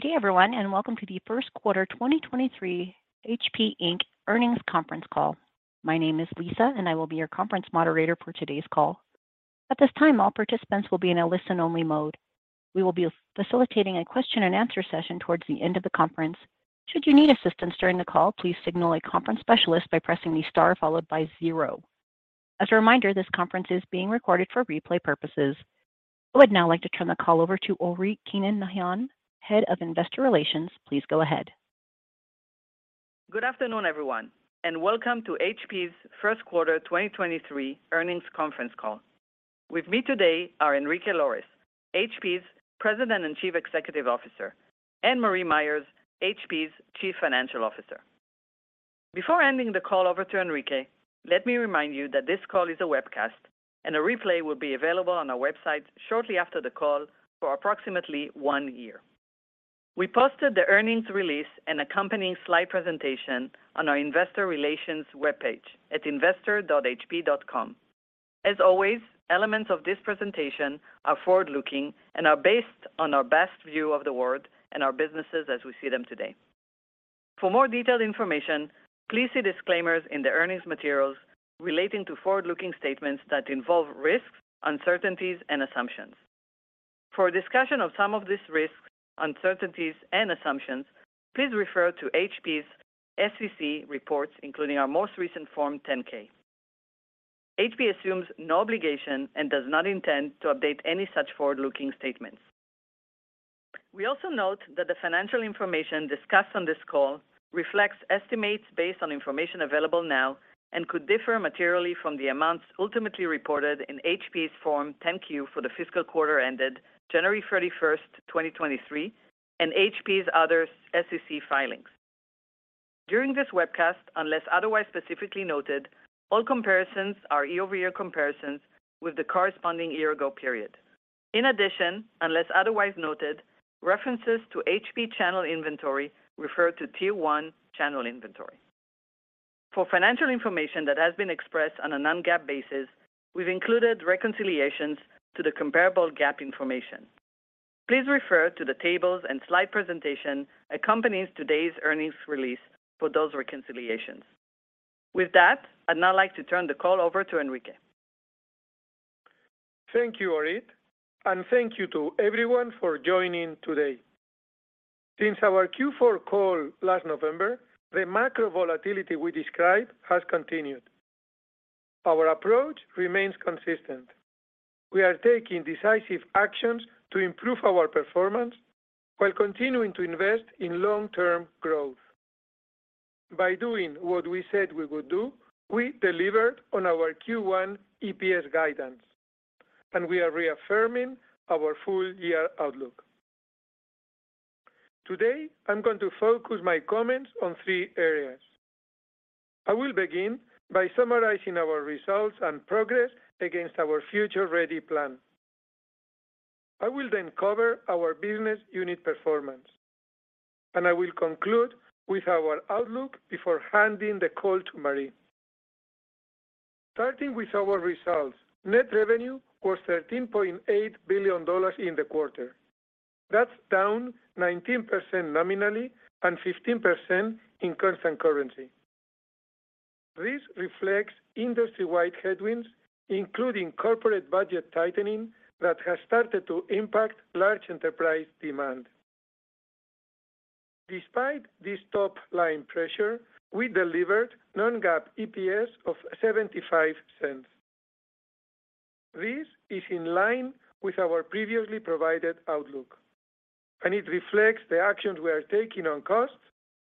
Good day everyone, welcome to the first quarter 2023 HP Inc. earnings conference call. My name is Lisa, I will be your conference moderator for today's call. At this time, all participants will be in a listen-only mode. We will be facilitating a question and answer session towards the end of the conference. Should you need assistance during the call, please signal a conference specialist by pressing the star followed by zero. As a reminder, this conference is being recorded for replay purposes. I would now like to turn the call over to Orit Keinan-Nahon, Head of Investor Relations. Please go ahead. Good afternoon, everyone, and welcome to HP's 1st quarter 2023 earnings conference call. With me today are Enrique Lores, HP's President and Chief Executive Officer, and Marie Myers, HP's Chief Financial Officer. Before handing the call over to Enrique, let me remind you that this call is a webcast and a replay will be available on our website shortly after the call for approximately one year. We posted the earnings release and accompanying slide presentation on our investor relations webpage at investor.hp.com. As always, elements of this presentation are forward-looking and are based on our best view of the world and our businesses as we see them today. For more detailed information, please see disclaimers in the earnings materials relating to forward-looking statements that involve risks, uncertainties and assumptions. For a discussion of some of these risks, uncertainties and assumptions, please refer to HP's SEC reports, including our most recent Form 10-K. HP assumes no obligation and does not intend to update any such forward-looking statements. We also note that the financial information discussed on this call reflects estimates based on information available now and could differ materially from the amounts ultimately reported in HP's Form 10-Q for the fiscal quarter ended January 31st, 2023, and HP's other SEC filings. During this webcast, unless otherwise specifically noted, all comparisons are year-over-year comparisons with the corresponding year ago period. Unless otherwise noted, references to HP channel inventory refer to Tier 1 channel inventory. For financial information that has been expressed on a non-GAAP basis, we've included reconciliations to the comparable GAAP information. Please refer to the tables and slide presentation accompanies today's earnings release for those reconciliations. With that, I'd now like to turn the call over to Enrique. Thank you, Orit, and thank you to everyone for joining today. Since our Q4 call last November, the macro volatility we described has continued. Our approach remains consistent. We are taking decisive actions to improve our performance while continuing to invest in long-term growth. By doing what we said we would do, we delivered on our Q1 EPS guidance, and we are reaffirming our full-year outlook. Today, I'm going to focus my comments on three areas. I will begin by summarizing our results and progress against our Future Ready plan. I will then cover our business unit performance, and I will conclude with our outlook before handing the call to Marie. Starting with our results, net revenue was $13.8 billion in the quarter. That's down 19% nominally and 15% in constant currency. This reflects industry-wide headwinds, including corporate budget tightening that has started to impact large enterprise demand. Despite this top-line pressure, we delivered non-GAAP EPS of $0.75. This is in line with our previously provided outlook. It reflects the actions we are taking on costs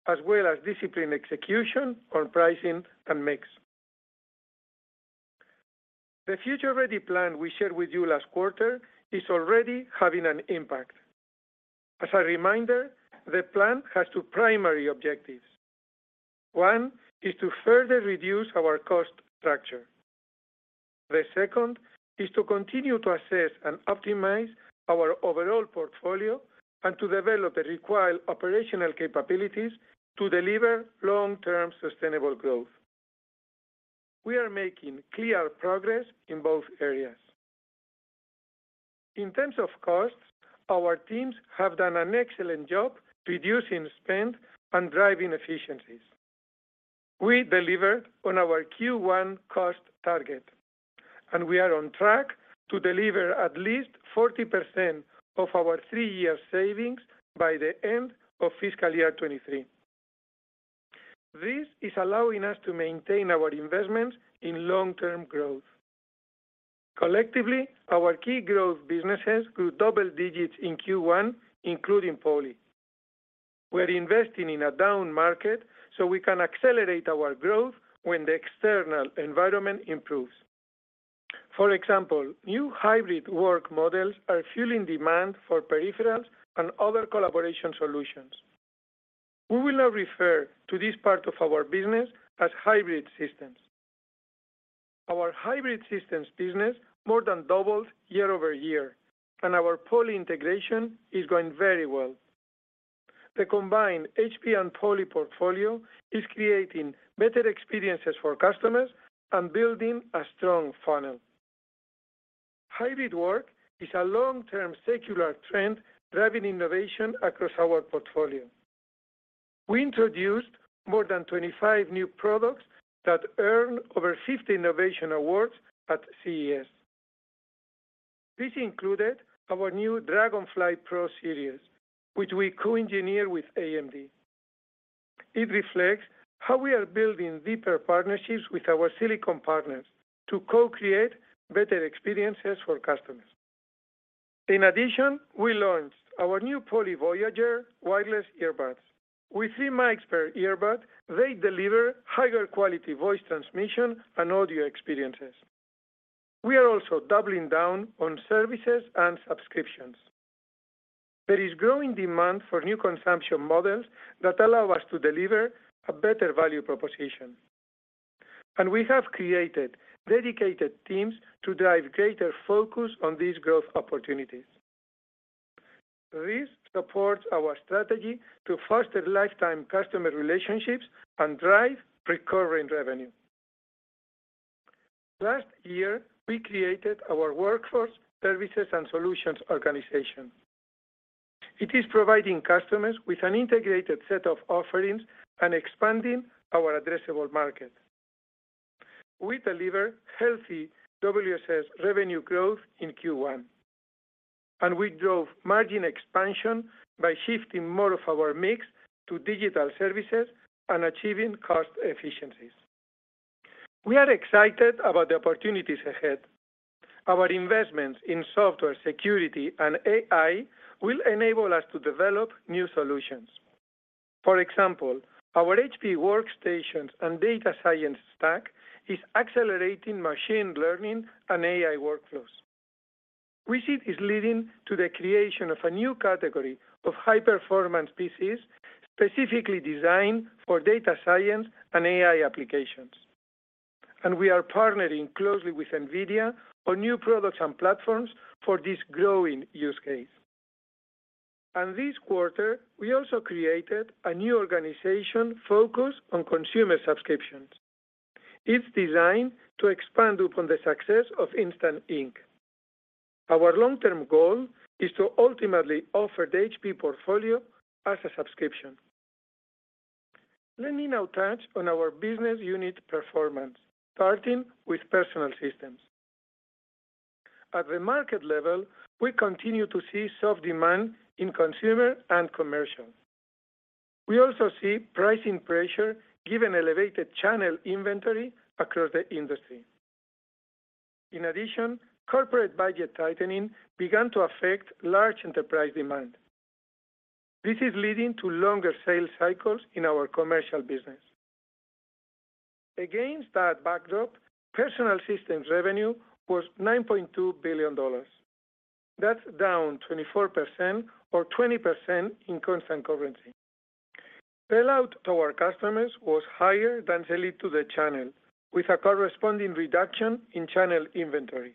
as well as disciplined execution on pricing and mix. The Future Ready plan we shared with you last quarter is already having an impact. As a reminder, the plan has two primary objectives. One is to further reduce our cost structure. The second is to continue to assess and optimize our overall portfolio and to develop the required operational capabilities to deliver long-term sustainable growth. We are making clear progress in both areas. In terms of costs, our teams have done an excellent job reducing spend and driving efficiencies. We delivered on our Q1 cost target, and we are on track to deliver at least 40% of our three-year savings by the end of fiscal year 2023. This is allowing us to maintain our investments in long-term growth. Collectively, our key growth businesses grew double digits in Q1, including Poly. We're investing in a down market so we can accelerate our growth when the external environment improves. For example, new hybrid work models are fueling demand for peripherals and other collaboration solutions. We will now refer to this part of our business as Hybrid Systems. Our Hybrid Systems business more than doubled year-over-year, and our Poly integration is going very well. The combined HP and Poly portfolio is creating better experiences for customers and building a strong funnel. Hybrid work is a long-term secular trend driving innovation across our portfolio. We introduced more than 25 new products that earned over 50 innovation awards at CES. This included our new Dragonfly Pro series, which we co-engineered with AMD. It reflects how we are building deeper partnerships with our silicon partners to co-create better experiences for customers. In addition, we launched our new Poly Voyager wireless earbuds. With three mic pair earbud, they deliver higher quality voice transmission and audio experiences. We are also doubling down on services and subscriptions. There is growing demand for new consumption models that allow us to deliver a better value proposition. We have created dedicated teams to drive greater focus on these growth opportunities. This supports our strategy to foster lifetime customer relationships and drive recurring revenue. Last year, we created our workforce, services, and solutions organization. It is providing customers with an integrated set of offerings and expanding our addressable market. We delivered healthy WSS revenue growth in Q1. We drove margin expansion by shifting more of our mix to digital services and achieving cost efficiencies. We are excited about the opportunities ahead. Our investments in software security and AI will enable us to develop new solutions. For example, our HP workstations and data science stack is accelerating machine learning and AI workflows. We see it is leading to the creation of a new category of high-performance PCs, specifically designed for data science and AI applications. We are partnering closely with Nvidia on new products and platforms for this growing use case. This quarter, we also created a new organization focused on consumer subscriptions. It's designed to expand upon the success of Instant Ink. Our long-term goal is to ultimately offer the HP portfolio as a subscription. Let me now touch on our business unit performance, starting with Personal Systems. At the market level, we continue to see soft demand in consumer and commercial. We also see pricing pressure given elevated channel inventory across the industry. In addition, corporate budget tightening began to affect large enterprise demand. This is leading to longer sales cycles in our commercial business. Against that backdrop, Personal Systems revenue was $9.2 billion. That's down 24% or 20% in constant currency. Sellout to our customers was higher than sell it to the channel with a corresponding reduction in channel inventory.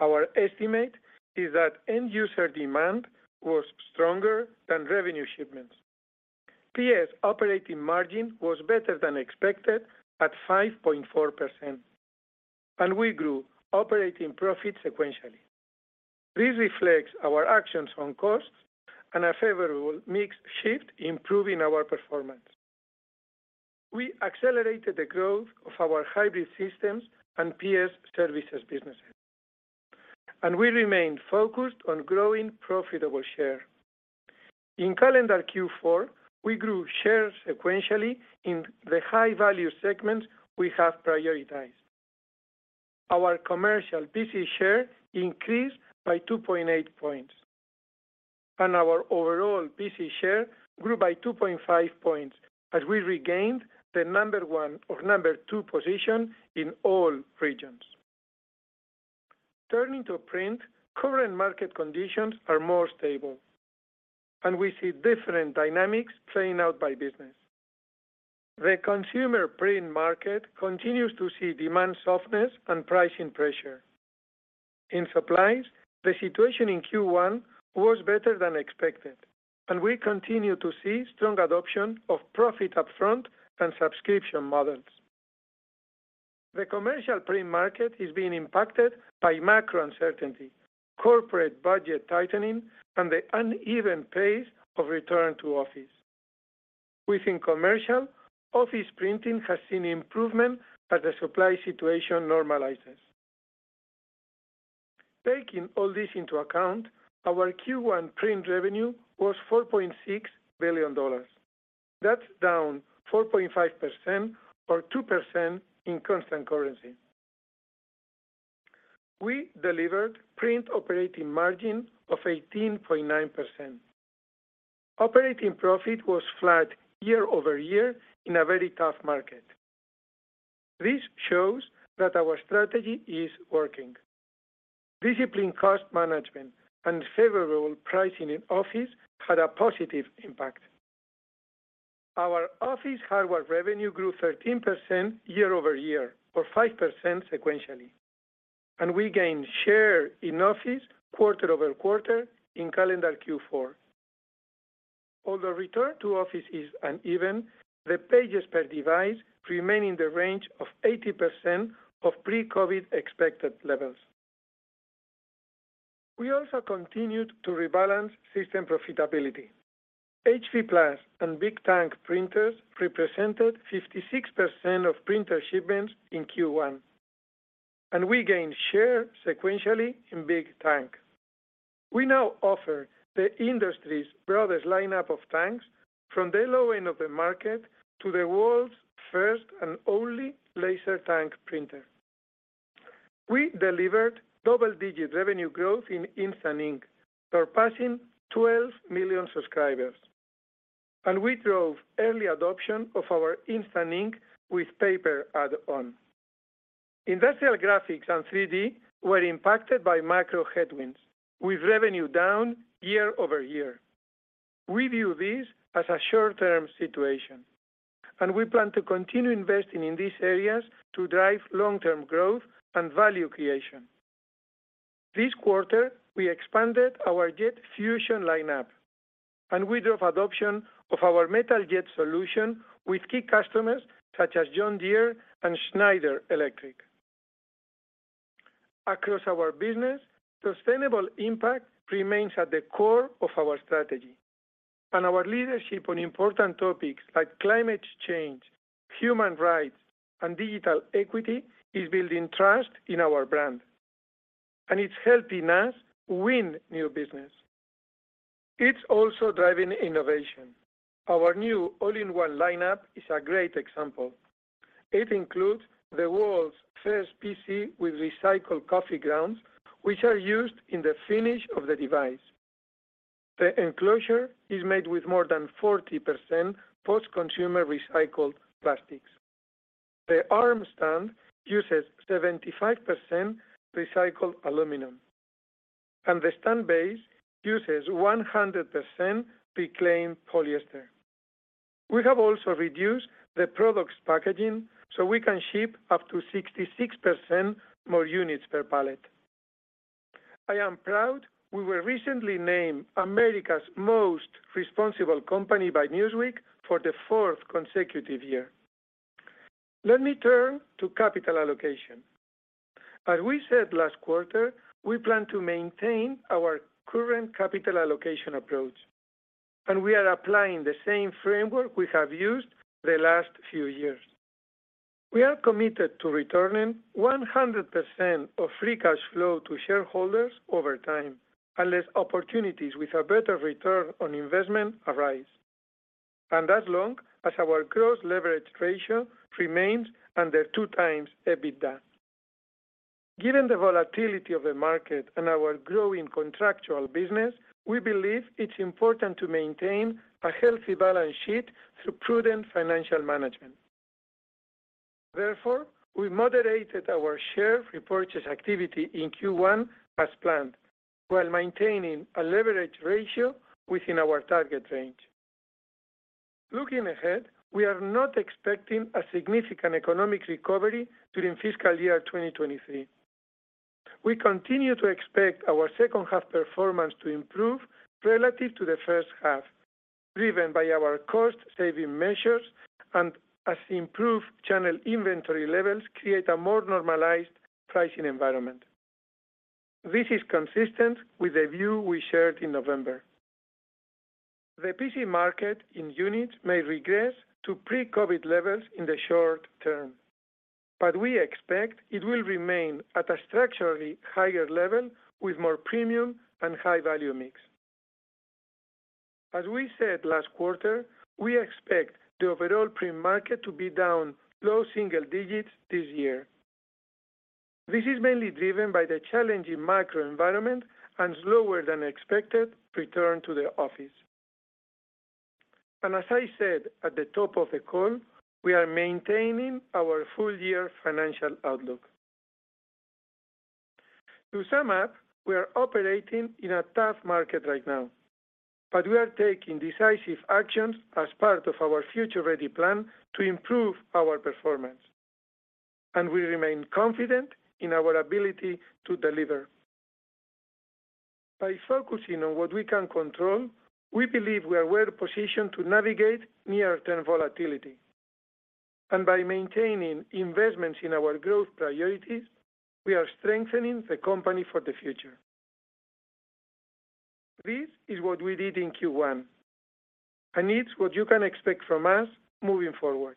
Our estimate is that end user demand was stronger than revenue shipments. PS operating margin was better than expected at 5.4%. We grew operating profit sequentially. This reflects our actions on costs and a favorable mix shift improving our performance. We accelerated the growth of our Hybrid Systems and PS services businesses. We remain focused on growing profitable share. In calendar Q4, we grew share sequentially in the high-value segments we have prioritized. Our commercial PC share increased by 2.8 points. Our overall PC share grew by 2.5 points as we regained the number one or number two position in all regions. Turning to print, current market conditions are more stable, and we see different dynamics playing out by business. The consumer print market continues to see demand softness and pricing pressure. In supplies, the situation in Q1 was better than expected, and we continue to see strong adoption of profit upfront and subscription models. The commercial print market is being impacted by macro uncertainty, corporate budget tightening, and the uneven pace of return to office. Within commercial, office printing has seen improvement as the supply situation normalizes. Taking all this into account, our Q1 print revenue was $4.6 billion. That's down 4.5% or 2% in constant currency. We delivered print operating margin of 18.9%. Operating profit was flat year-over-year in a very tough market. This shows that our strategy is working. Disciplined cost management and favorable pricing in office had a positive impact. Our office hardware revenue grew 13% year-over-year or 5% sequentially, and we gained share in office quarter-over-quarter in calendar Q4. Although return to office is uneven, the pages per device remain in the range of 80% of pre-COVID expected levels. We also continued to rebalance system profitability. HP+ and Big Tank printers represented 56% of printer shipments in Q1, and we gained share sequentially in Big Tank. We now offer the industry's broadest lineup of tanks from the low end of the market to the world's first and only LaserJet Tank printer. We delivered double-digit revenue growth in Instant Ink, surpassing 12 million subscribers, and we drove early adoption of our Instant Ink with paper add-on. Industrial graphics and 3D were impacted by macro headwinds, with revenue down year-over-year. We view this as a short-term situation, and we plan to continue investing in these areas to drive long-term growth and value creation. This quarter, we expanded our Jet Fusion lineup, and we drove adoption of our Metal Jet solution with key customers such as John Deere and Schneider Electric. Across our business, sustainable impact remains at the core of our strategy. Our leadership on important topics like climate change, human rights, and digital equity is building trust in our brand, and it's helping us win new business. It's also driving innovation. Our new all-in-one lineup is a great example. It includes the world's first PC with recycled coffee grounds, which are used in the finish of the device. The enclosure is made with more than 40% post-consumer recycled plastics. The arm stand uses 75% recycled aluminum, and the stand base uses 100% reclaimed polyester. We have also reduced the product's packaging so we can ship up to 66% more units per pallet. I am proud we were recently named America's Most Responsible Company by Newsweek for the fourth consecutive year. Let me turn to capital allocation. As we said last quarter, we plan to maintain our current capital allocation approach, and we are applying the same framework we have used the last few years. We are committed to returning 100% of free cash flow to shareholders over time, unless opportunities with a better return on investment arise, and as long as our growth leverage ratio remains under 2x EBITDA. Given the volatility of the market and our growing contractual business, we believe it's important to maintain a healthy balance sheet through prudent financial management. Therefore, we moderated our share repurchase activity in Q1 as planned while maintaining a leverage ratio within our target range. Looking ahead, we are not expecting a significant economic recovery during fiscal year 2023. We continue to expect our second half performance to improve relative to the first half, driven by our cost-saving measures and as improved channel inventory levels create a more normalized pricing environment. This is consistent with the view we shared in November. The PC market in units may regress to pre-COVID levels in the short term, but we expect it will remain at a structurally higher level with more premium and high value mix. As we said last quarter, we expect the overall print market to be down low single digits this year. This is mainly driven by the challenging macro environment and slower than expected return to the office. As I said at the top of the call, we are maintaining our full year financial outlook. To sum up, we are operating in a tough market right now, but we are taking decisive actions as part of our Future Ready plan to improve our performance, and we remain confident in our ability to deliver. By focusing on what we can control, we believe we are well-positioned to navigate near-term volatility. By maintaining investments in our growth priorities, we are strengthening the company for the future. This is what we did in Q1, and it's what you can expect from us moving forward.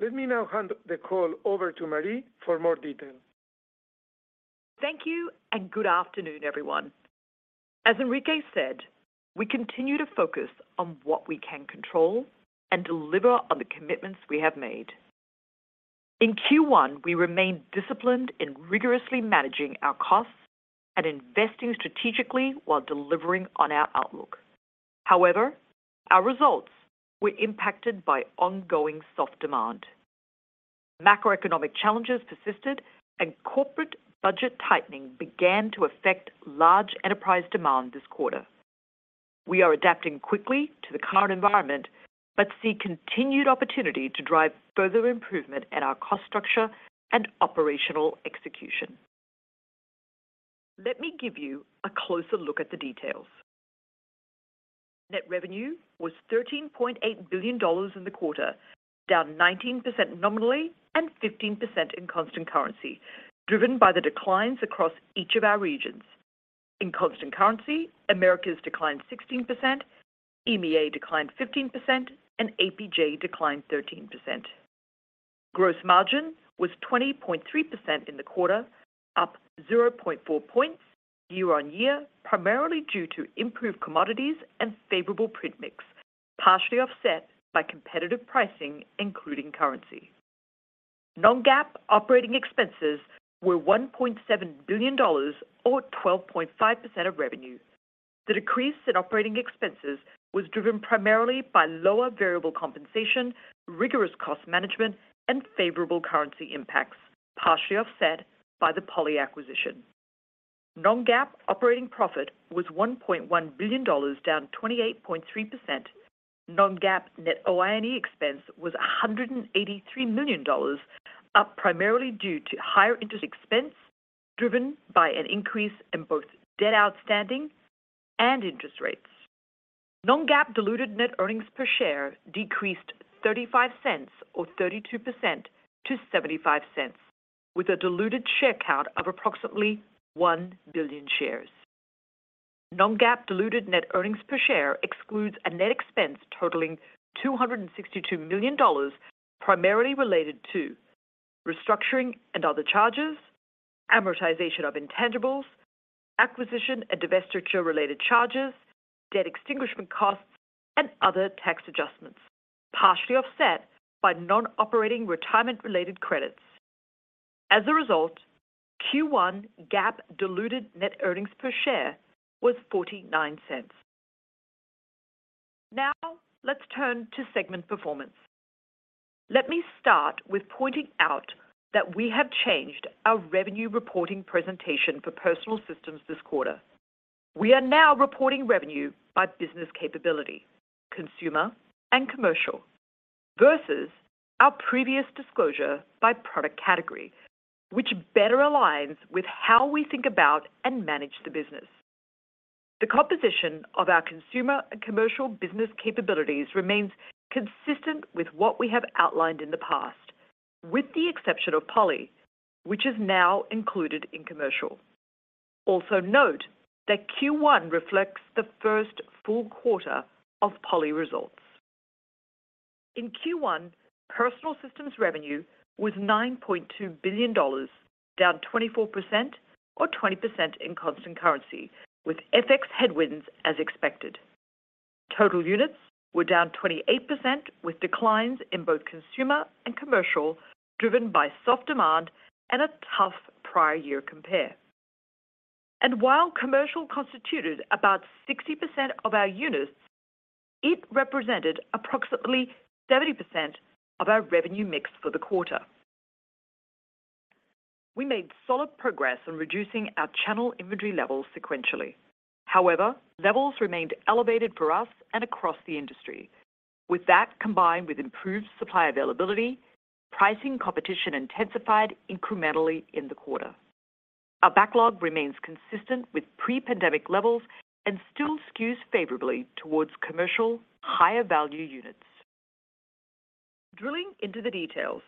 Let me now hand the call over to Marie for more details. Thank you and good afternoon, everyone. As Enrique said, we continue to focus on what we can control and deliver on the commitments we have made. In Q1, we remained disciplined in rigorously managing our costs and investing strategically while delivering on our outlook. Our results were impacted by ongoing soft demand. Macroeconomic challenges persisted and corporate budget tightening began to affect large enterprise demand this quarter. We are adapting quickly to the current environment but see continued opportunity to drive further improvement in our cost structure and operational execution. Let me give you a closer look at the details. Net revenue was $13.8 billion in the quarter, down 19% nominally and 15% in constant currency, driven by the declines across each of our regions. In constant currency, Americas declined 16%, EMEA declined 15%, and APJ declined 13%. Gross margin was 20.3% in the quarter, up 0.4 points year-on-year, primarily due to improved commodities and favorable print mix, partially offset by competitive pricing, including currency. non-GAAP operating expenses were $1.7 billion or 12.5% of revenue. The decrease in operating expenses was driven primarily by lower variable compensation, rigorous cost management, and favorable currency impacts, partially offset by the Poly acquisition. non-GAAP operating profit was $1.1 billion, down 28.3%. non-GAAP net OIE expense was $183 million, up primarily due to higher interest expense driven by an increase in both debt outstanding and interest rates. non-GAAP diluted net earnings per share decreased $0.35, or 32% to $0.75, with a diluted share count of approximately one billion shares. Non-GAAP diluted net earnings per share excludes a net expense totaling $262 million, primarily related to restructuring and other charges, amortization of intangibles, acquisition and divestiture-related charges, debt extinguishment costs, and other tax adjustments, partially offset by non-operating retirement-related credits. As a result, Q1 GAAP diluted net earnings per share was $0.49. Let's turn to segment performance. Let me start with pointing out that we have changed our revenue reporting presentation for Personal Systems this quarter. We are now reporting revenue by business capability, consumer and commercial, versus our previous disclosure by product category, which better aligns with how we think about and manage the business. The composition of our consumer and commercial business capabilities remains consistent with what we have outlined in the past, with the exception of Poly, which is now included in commercial. Note that Q1 reflects the first full quarter of Poly results. In Q1, Personal Systems revenue was $9.2 billion, down 24% or 20% in constant currency, with FX headwinds as expected. Total units were down 28%, with declines in both consumer and commercial, driven by soft demand and a tough prior year compare. While commercial constituted about 60% of our units, it represented approximately 70% of our revenue mix for the quarter. We made solid progress in reducing our channel inventory levels sequentially. However, levels remained elevated for us and across the industry. With that, combined with improved supply availability, pricing competition intensified incrementally in the quarter. Our backlog remains consistent with pre-pandemic levels and still skews favorably towards commercial higher value units. Drilling into the details,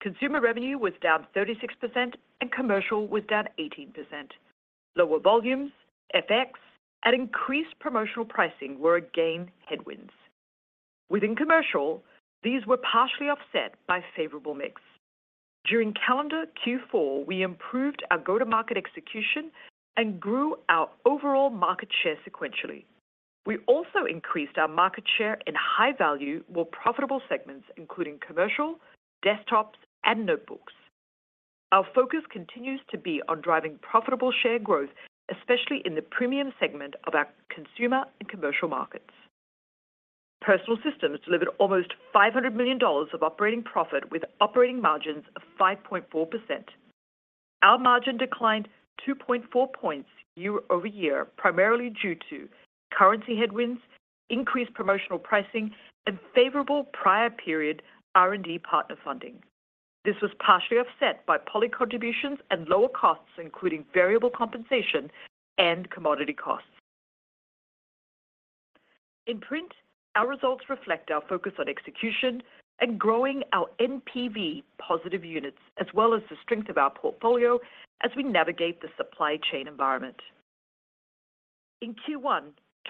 consumer revenue was down 36% and commercial was down 18%. Lower volumes, FX, and increased promotional pricing were again headwinds. Within commercial, these were partially offset by favorable mix. During calendar Q4, we improved our go-to-market execution and grew our overall market share sequentially. We also increased our market share in high value, more profitable segments, including commercial, desktops, and notebooks. Our focus continues to be on driving profitable share growth, especially in the premium segment of our consumer and commercial markets. Personal Systems delivered almost $500 million of operating profit with operating margins of 5.4%. Our margin declined 2.4 points year-over-year, primarily due to currency headwinds, increased promotional pricing, and favorable prior period R&D partner funding. This was partially offset by Poly contributions and lower costs, including variable compensation and commodity costs. In Print, our results reflect our focus on execution and growing our NPV positive units, as well as the strength of our portfolio as we navigate the supply chain environment. In Q1,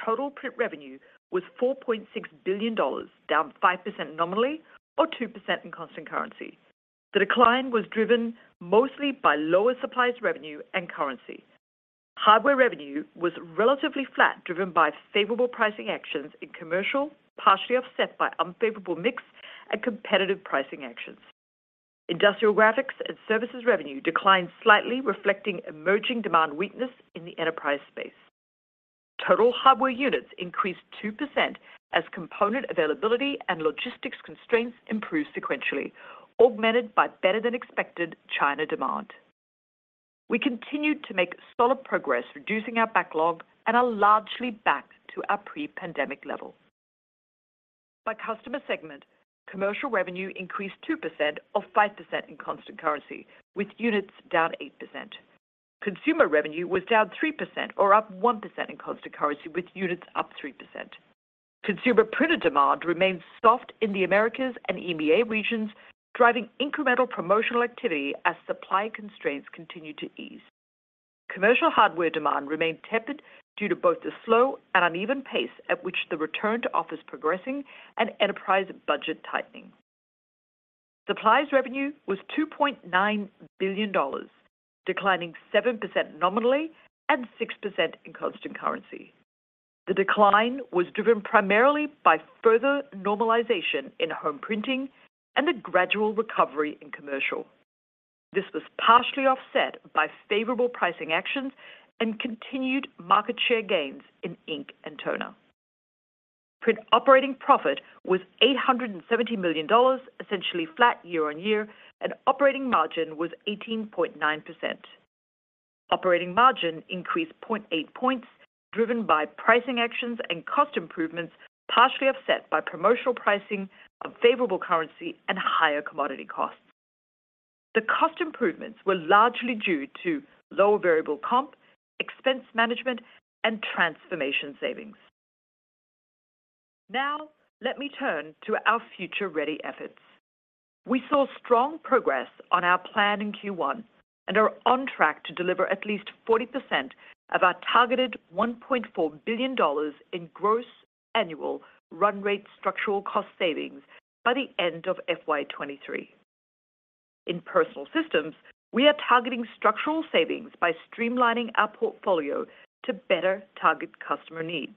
total Print revenue was $4.6 billion, down 5% nominally or 2% in constant currency. The decline was driven mostly by lower supplies revenue and currency. Hardware revenue was relatively flat, driven by favorable pricing actions in commercial, partially offset by unfavorable mix and competitive pricing actions. Industrial graphics and services revenue declined slightly, reflecting emerging demand weakness in the enterprise space. Total hardware units increased 2% as component availability and logistics constraints improved sequentially, augmented by better than expected China demand. We continued to make solid progress reducing our backlog and are largely back to our pre-pandemic level. By customer segment, commercial revenue increased 2% or 5% in constant currency with units down 8%. Consumer revenue was down 3% or up 1% in constant currency with units up 3%. Consumer printer demand remained soft in the Americas and EMEA regions, driving incremental promotional activity as supply constraints continue to ease. Commercial hardware demand remained tepid due to both the slow and uneven pace at which the return to office progressing and enterprise budget tightening. Supplies revenue was $2.9 billion, declining 7% nominally and 6% in constant currency. The decline was driven primarily by further normalization in home printing and a gradual recovery in commercial. This was partially offset by favorable pricing actions and continued market share gains in ink and toner. Print operating profit was $870 million, essentially flat year-over-year, and operating margin was 18.9%. Operating margin increased 0.8 points, driven by pricing actions and cost improvements, partially offset by promotional pricing, unfavorable currency, and higher commodity costs. The cost improvements were largely due to lower variable comp, expense management, and transformation savings. Now let me turn to our Future Ready efforts. We saw strong progress on our plan in Q1 and are on track to deliver at least 40% of our targeted $1.4 billion in gross annual run rate structural cost savings by the end of FY 2023. In Personal Systems, we are targeting structural savings by streamlining our portfolio to better target customer needs.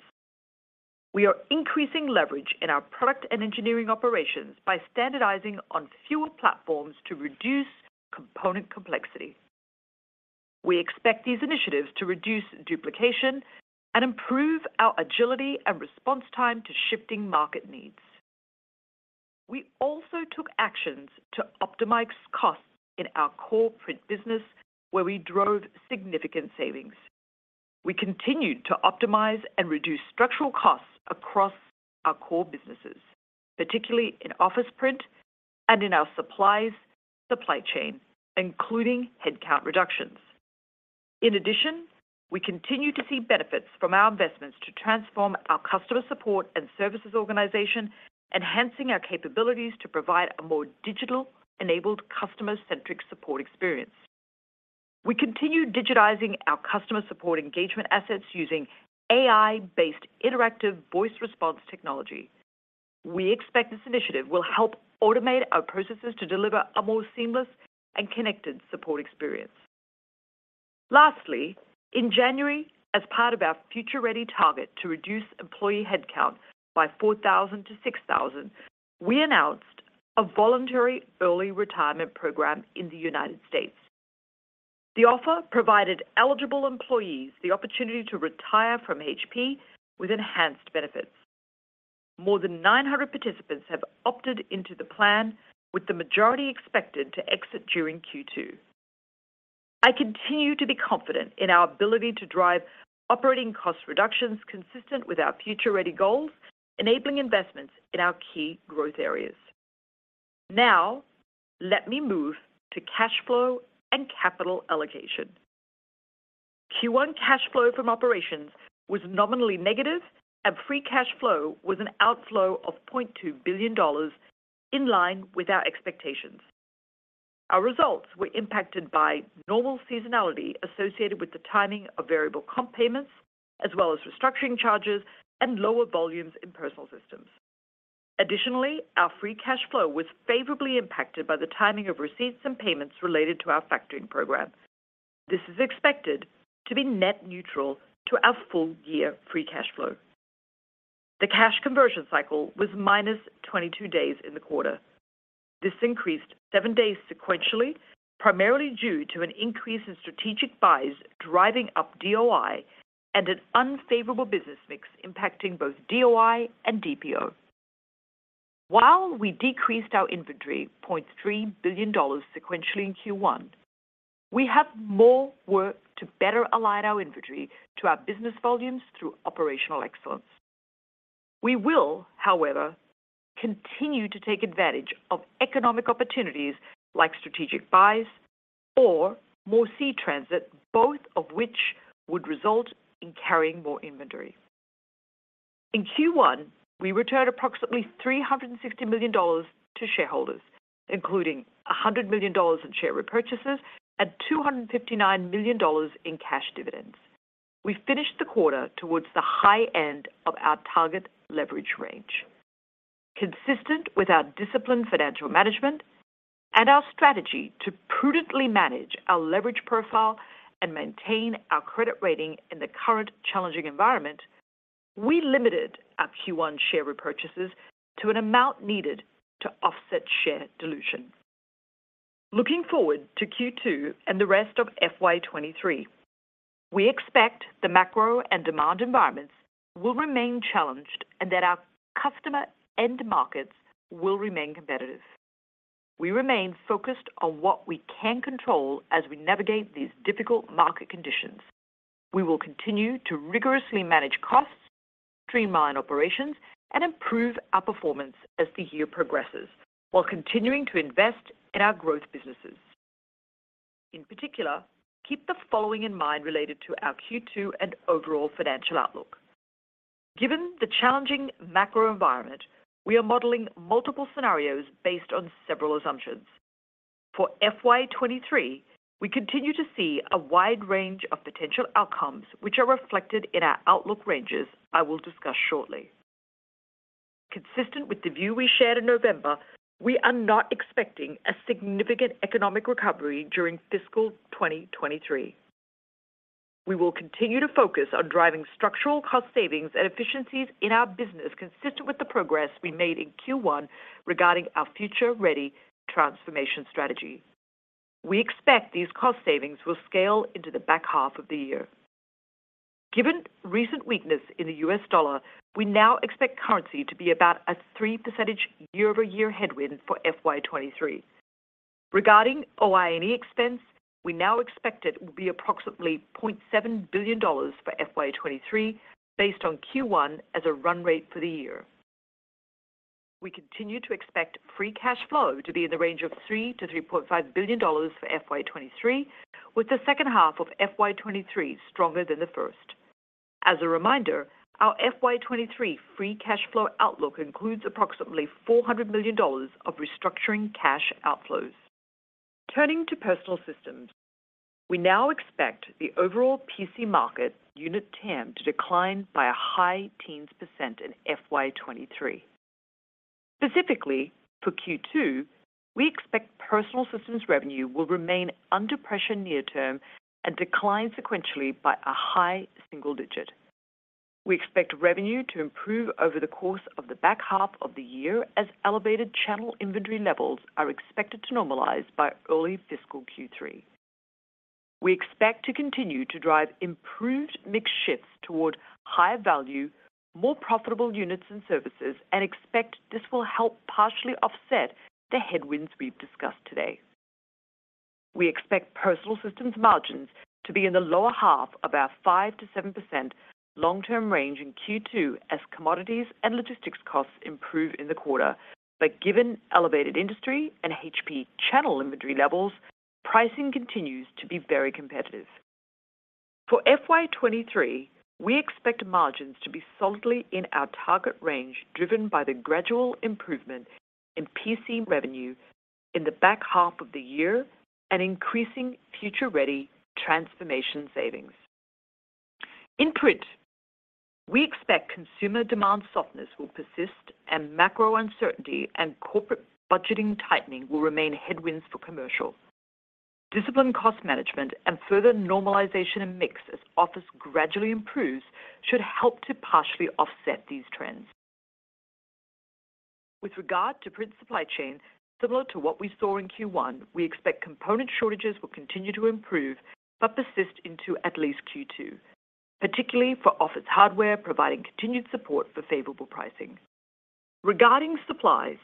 We are increasing leverage in our product and engineering operations by standardizing on fewer platforms to reduce component complexity. We expect these initiatives to reduce duplication and improve our agility and response time to shifting market needs. We also took actions to optimize costs in our core print business, where we drove significant savings. We continued to optimize and reduce structural costs across our core businesses, particularly in office print and in our supplies supply chain, including headcount reductions. In addition, we continue to see benefits from our investments to transform our customer support and services organization, enhancing our capabilities to provide a more digital-enabled customer-centric support experience. We continue digitizing our customer support engagement assets using AI-based interactive voice response technology. We expect this initiative will help automate our processes to deliver a more seamless and connected support experience. Lastly, in January, as part of our Future Ready target to reduce employee headcount by 4,000-6,000, we announced a voluntary early retirement program in the United States. The offer provided eligible employees the opportunity to retire from HP with enhanced benefits. More than 900 participants have opted into the plan, with the majority expected to exit during Q2. I continue to be confident in our ability to drive operating cost reductions consistent with our Future Ready goals, enabling investments in our key growth areas. Let me move to cash flow and capital allocation. Q1 cash flow from operations was nominally negative, and free cash flow was an outflow of $0.2 billion in line with our expectations. Our results were impacted by normal seasonality associated with the timing of variable comp payments as well as restructuring charges and lower volumes in Personal Systems. Additionally, our free cash flow was favorably impacted by the timing of receipts and payments related to our factoring program. This is expected to be net neutral to our full year free cash flow. The cash conversion cycle was -22 days in the quarter. This increased seven days sequentially, primarily due to an increase in strategic buys driving up DOI and an unfavorable business mix impacting both DOI and DPO. While we decreased our inventory $0.3 billion sequentially in Q1, we have more work to better align our inventory to our business volumes through operational excellence. We will, however, continue to take advantage of economic opportunities like strategic buys or more sea transit, both of which would result in carrying more inventory. In Q1, we returned approximately $360 million to shareholders, including $100 million in share repurchases and $259 million in cash dividends. We finished the quarter towards the high end of our target leverage range. Consistent with our disciplined financial management and our strategy to prudently manage our leverage profile and maintain our credit rating in the current challenging environment, we limited our Q1 share repurchases to an amount needed to offset share dilution. Looking forward to Q2 and the rest of FY 2023, we expect the macro and demand environments will remain challenged and that our customer end markets will remain competitive. We remain focused on what we can control as we navigate these difficult market conditions. We will continue to rigorously manage costs, streamline operations, and improve our performance as the year progresses while continuing to invest in our growth businesses. In particular, keep the following in mind related to our Q2 and overall financial outlook. Given the challenging macro environment, we are modeling multiple scenarios based on several assumptions. For FY 2023, we continue to see a wide range of potential outcomes, which are reflected in our outlook ranges I will discuss shortly. Consistent with the view we shared in November, we are not expecting a significant economic recovery during fiscal 2023. We will continue to focus on driving structural cost savings and efficiencies in our business consistent with the progress we made in Q1 regarding our Future Ready transformation strategy. We expect these cost savings will scale into the back half of the year. Given recent weakness in the US dollar, we now expect currency to be about a 3% year-over-year headwind for FY 2023. Regarding OIE expense, we now expect it will be approximately $0.7 billion for FY 2023 based on Q1 as a run rate for the year. We continue to expect free cash flow to be in the range of $3 billion-$3.5 billion for FY 2023, with the second half of FY 2023 stronger than the first. As a reminder, our FY 2023 free cash flow outlook includes approximately $400 million of restructuring cash outflows. Turning to Personal Systems, we now expect the overall PC market unit TAM to decline by a high teens percentage in FY 2023. Specifically, for Q2, we expect Personal Systems revenue will remain under pressure near term and decline sequentially by a high single-digit. We expect revenue to improve over the course of the back half of the year as elevated channel inventory levels are expected to normalize by early fiscal Q3. We expect to continue to drive improved mix shifts toward higher value, more profitable units and services and expect this will help partially offset the headwinds we've discussed today. We expect Personal Systems margins to be in the lower half of our 5%-7% long-term range in Q2 as commodities and logistics costs improve in the quarter. Given elevated industry and HP channel inventory levels, pricing continues to be very competitive. For FY 2023, we expect margins to be solidly in our target range, driven by the gradual improvement in PC revenue in the back half of the year and increasing Future Ready transformation savings. In Print, we expect consumer demand softness will persist, and macro uncertainty and corporate budgeting tightening will remain headwinds for commercial. Disciplined cost management and further normalization in mix as Office gradually improves should help to partially offset these trends. With regard to Print supply chain, similar to what we saw in Q1, we expect component shortages will continue to improve but persist into at least Q2, particularly for Office hardware providing continued support for favorable pricing. Regarding Supplies,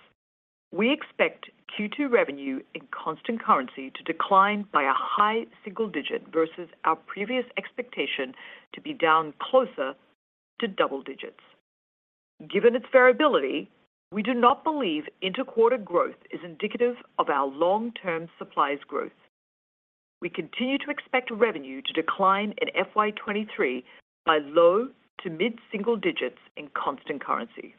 we expect Q2 revenue in constant currency to decline by a high single digit versus our previous expectation to be down closer to double digits. Given its variability, we do not believe inter-quarter growth is indicative of our long-term supplies growth. We continue to expect revenue to decline in FY 2023 by low to mid single digits in constant currency.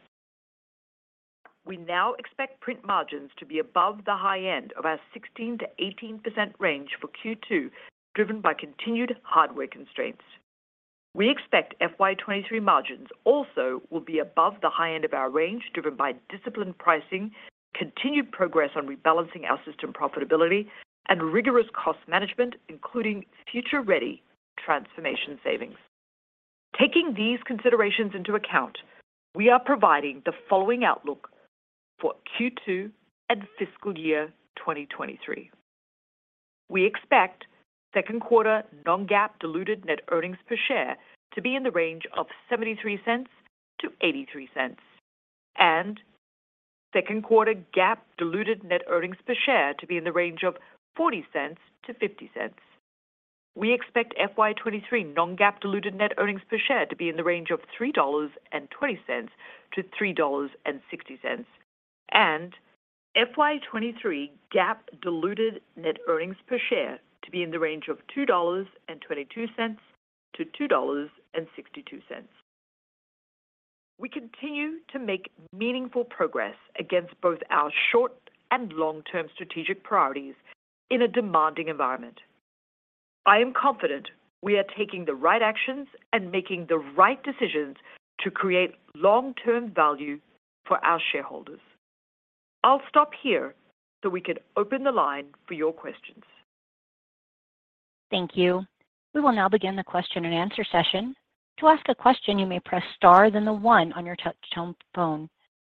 We now expect Print margins to be above the high end of our 16%-18% range for Q2, driven by continued hardware constraints. We expect FY 2023 margins also will be above the high end of our range, driven by disciplined pricing, continued progress on rebalancing our system profitability, and rigorous cost management, including Future Ready transformation savings. Taking these considerations into account, we are providing the following outlook for Q2 and fiscal year 2023. We expect second quarter non-GAAP diluted net earnings per share to be in the range of $0.73-$0.83 and second quarter GAAP diluted net earnings per share to be in the range of $0.40-$0.50. We expect FY 2023 non-GAAP diluted net earnings per share to be in the range of $3.20-$3.60 and FY 2023 GAAP diluted net earnings per share to be in the range of $2.22-$2.62. We continue to make meaningful progress against both our short and long-term strategic priorities in a demanding environment. I am confident we are taking the right actions and making the right decisions to create long-term value for our shareholders. I'll stop here so we can open the line for your questions. Thank you. We will now begin the question and answer session. To ask a question, you may press star then the one on your touch tone phone.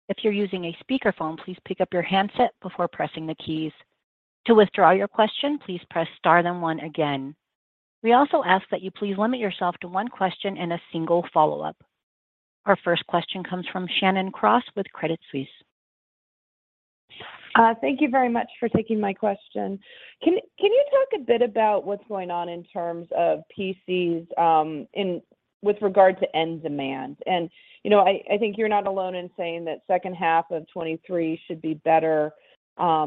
If you're using a speakerphone, please pick up your handset before pressing the keys. To withdraw your question, please press star then one again. We also ask that you please limit yourself to one question and a single follow-up. Our first question comes from Shannon Cross with Credit Suisse. Thank you very much for taking my question. Can you talk a bit about what's going on in terms of PCs with regard to end demand? You know, I think you're not alone in saying that second half of 2023 should be better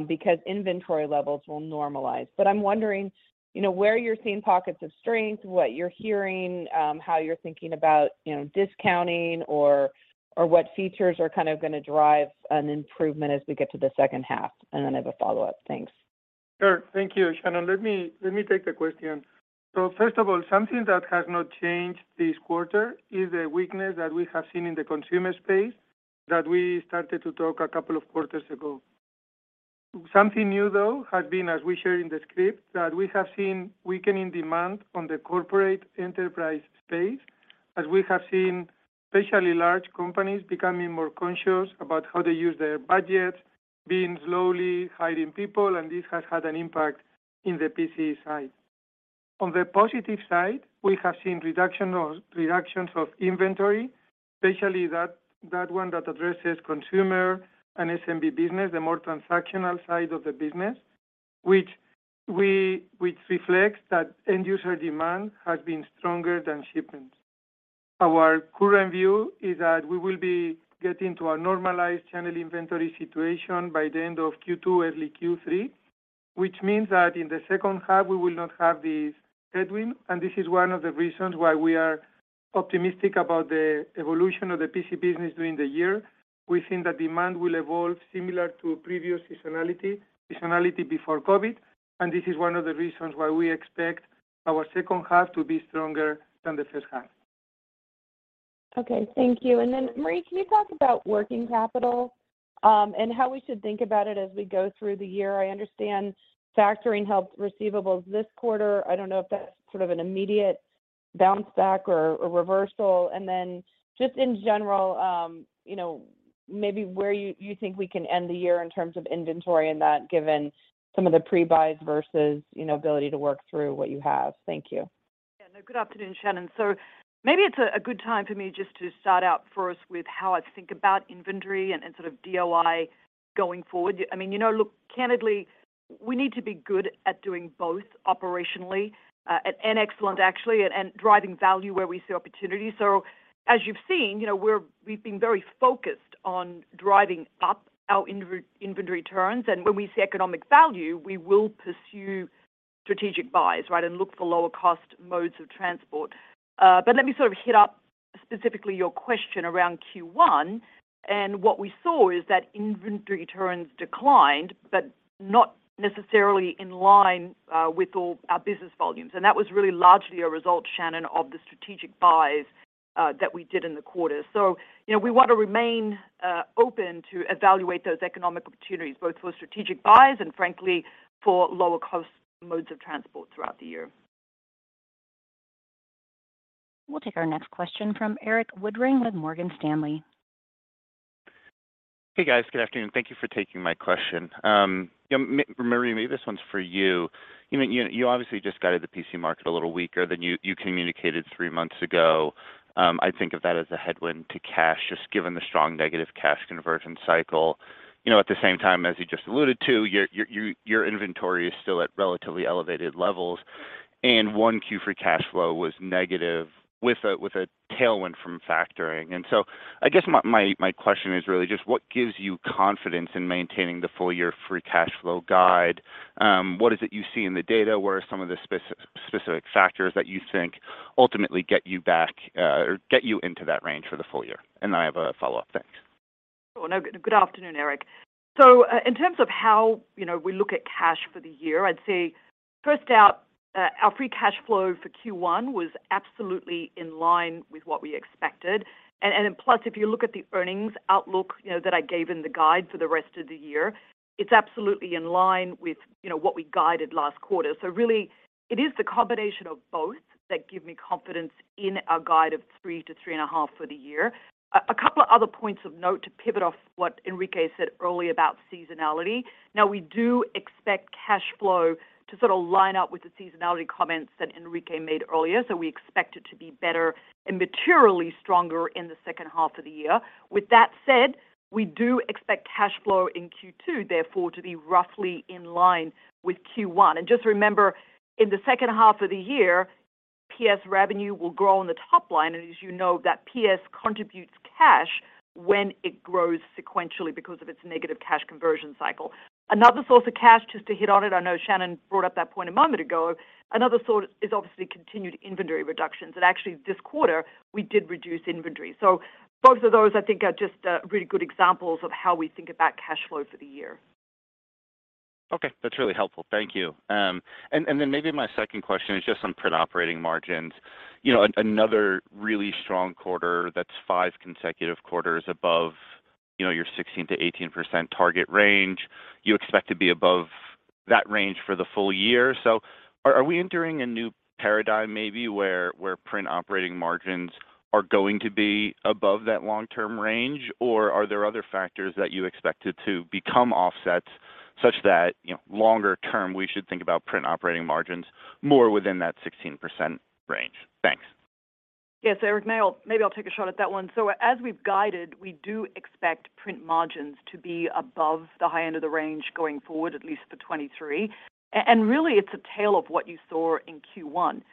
because inventory levels will normalize. I'm wondering, you know, where you're seeing pockets of strength, what you're hearing, how you're thinking about, you know, discounting or what features are kind of gonna drive an improvement as we get to the second half. Then I have a follow-up. Thanks. Sure. Thank you, Shannon. Let me take the question. First of all, something that has not changed this quarter is a weakness that we have seen in the consumer space that we started to talk a couple of quarters ago. Something new, though, has been, as we shared in the script, that we have seen weakening demand on the corporate enterprise space, as we have seen especially large companies becoming more conscious about how they use their budgets, being slowly hiring people, and this has had an impact in the PC side. On the positive side, we have seen reductions of inventory, especially that one that addresses consumer and SMB business, the more transactional side of the business, which reflects that end user demand has been stronger than shipments. Our current view is that we will be getting to a normalized channel inventory situation by the end of Q2, early Q3, which means that in the second half, we will not have this headwind, and this is one of the reasons why we are optimistic about the evolution of the PC business during the year. We think that demand will evolve similar to previous seasonality before COVID, and this is one of the reasons why we expect our second half to be stronger than the first half. Okay. Thank you. Marie, can you talk about working capital, and how we should think about it as we go through the year? I understand factoring helped receivables this quarter. I don't know if that's sort of an immediate bounce back or reversal. Just in general, you know, maybe where you think we can end the year in terms of inventory and that given some of the pre-buys versus, you know, ability to work through what you have. Thank you. Yeah, no, good afternoon, Shannon. Maybe it's a good time for me just to start out first with how I think about inventory and sort of DOI going forward. I mean, you know, look, candidly, we need to be good at doing both operationally and excellent, actually at and driving value where we see opportunity. As you've seen, you know, we've been very focused on driving up our inventory turns, and when we see economic value, we will pursue strategic buys, right? Look for lower cost modes of transport. Let me sort of hit up specifically your question around Q1. What we saw is that inventory turns declined, but not necessarily in line with all our business volumes. That was really largely a result, Shannon, of the strategic buys that we did in the quarter. you know, we want to remain open to evaluate those economic opportunities, both for strategic buys and frankly, for lower cost modes of transport throughout the year. We'll take our next question from Erik Woodring with Morgan Stanley. Hey, guys. Good afternoon. Thank you for taking my question. Yeah, Marie, maybe this one's for you. I mean, you obviously just guided the PC market a little weaker than you communicated three months ago. I think of that as a headwind to cash, just given the strong negative cash conversion cycle. You know, at the same time, as you just alluded to, your inventory is still at relatively elevated levels, and 1Q for cash flow was negative with a tailwind from factoring. I guess my question is really just what gives you confidence in maintaining the full year free cash flow guide? What is it you see in the data? Where are some of the spec-specific factors that you think ultimately get you back or get you into that range for the full year? I have a follow-up. Thanks. Oh, no. Good afternoon, Eric. In terms of how, you know, we look at cash for the year, I'd say first out, our free cash flow for Q1 was absolutely in line with what we expected. Plus, if you look at the earnings outlook, you know, that I gave in the guide for the rest of the year, it's absolutely in line with, you know, what we guided last quarter. Really it is the combination of both that give me confidence in our guide of three to three and a half for the year. A couple of other points of note to pivot off what Enrique said earlier about seasonality. We do expect cash flow to sort of line up with the seasonality comments that Enrique made earlier. We expect it to be better and materially stronger in the second half of the year. With that said, we do expect cash flow in Q2, therefore, to be roughly in line with Q1. Just remember, in the second half of the year, PS revenue will grow on the top line. As you know, that PS contributes cash when it grows sequentially because of its negative cash conversion cycle. Another source of cash, just to hit on it, I know Shannon brought up that point a moment ago. Another source is obviously continued inventory reductions. Actually this quarter, we did reduce inventory. Both of those, I think are just really good examples of how we think about cash flow for the year. Okay. That's really helpful. Thank you. Maybe my second question is just on print operating margins. You know, another really strong quarter that's five consecutive quarters above, you know, your 16%-18% target range. You expect to be above that range for the full year. Are we entering a new paradigm maybe where print operating margins are going to be above that long-term range? Are there other factors that you expect it to become offsets, such that, you know, longer term, we should think about print operating margins more within that 16% range? Thanks. Yes, Erik, maybe I'll take a shot at that one. As we've guided, we do expect print margins to be above the high end of the range going forward, at least for 2023. Really it's a tale of what you saw in Q1.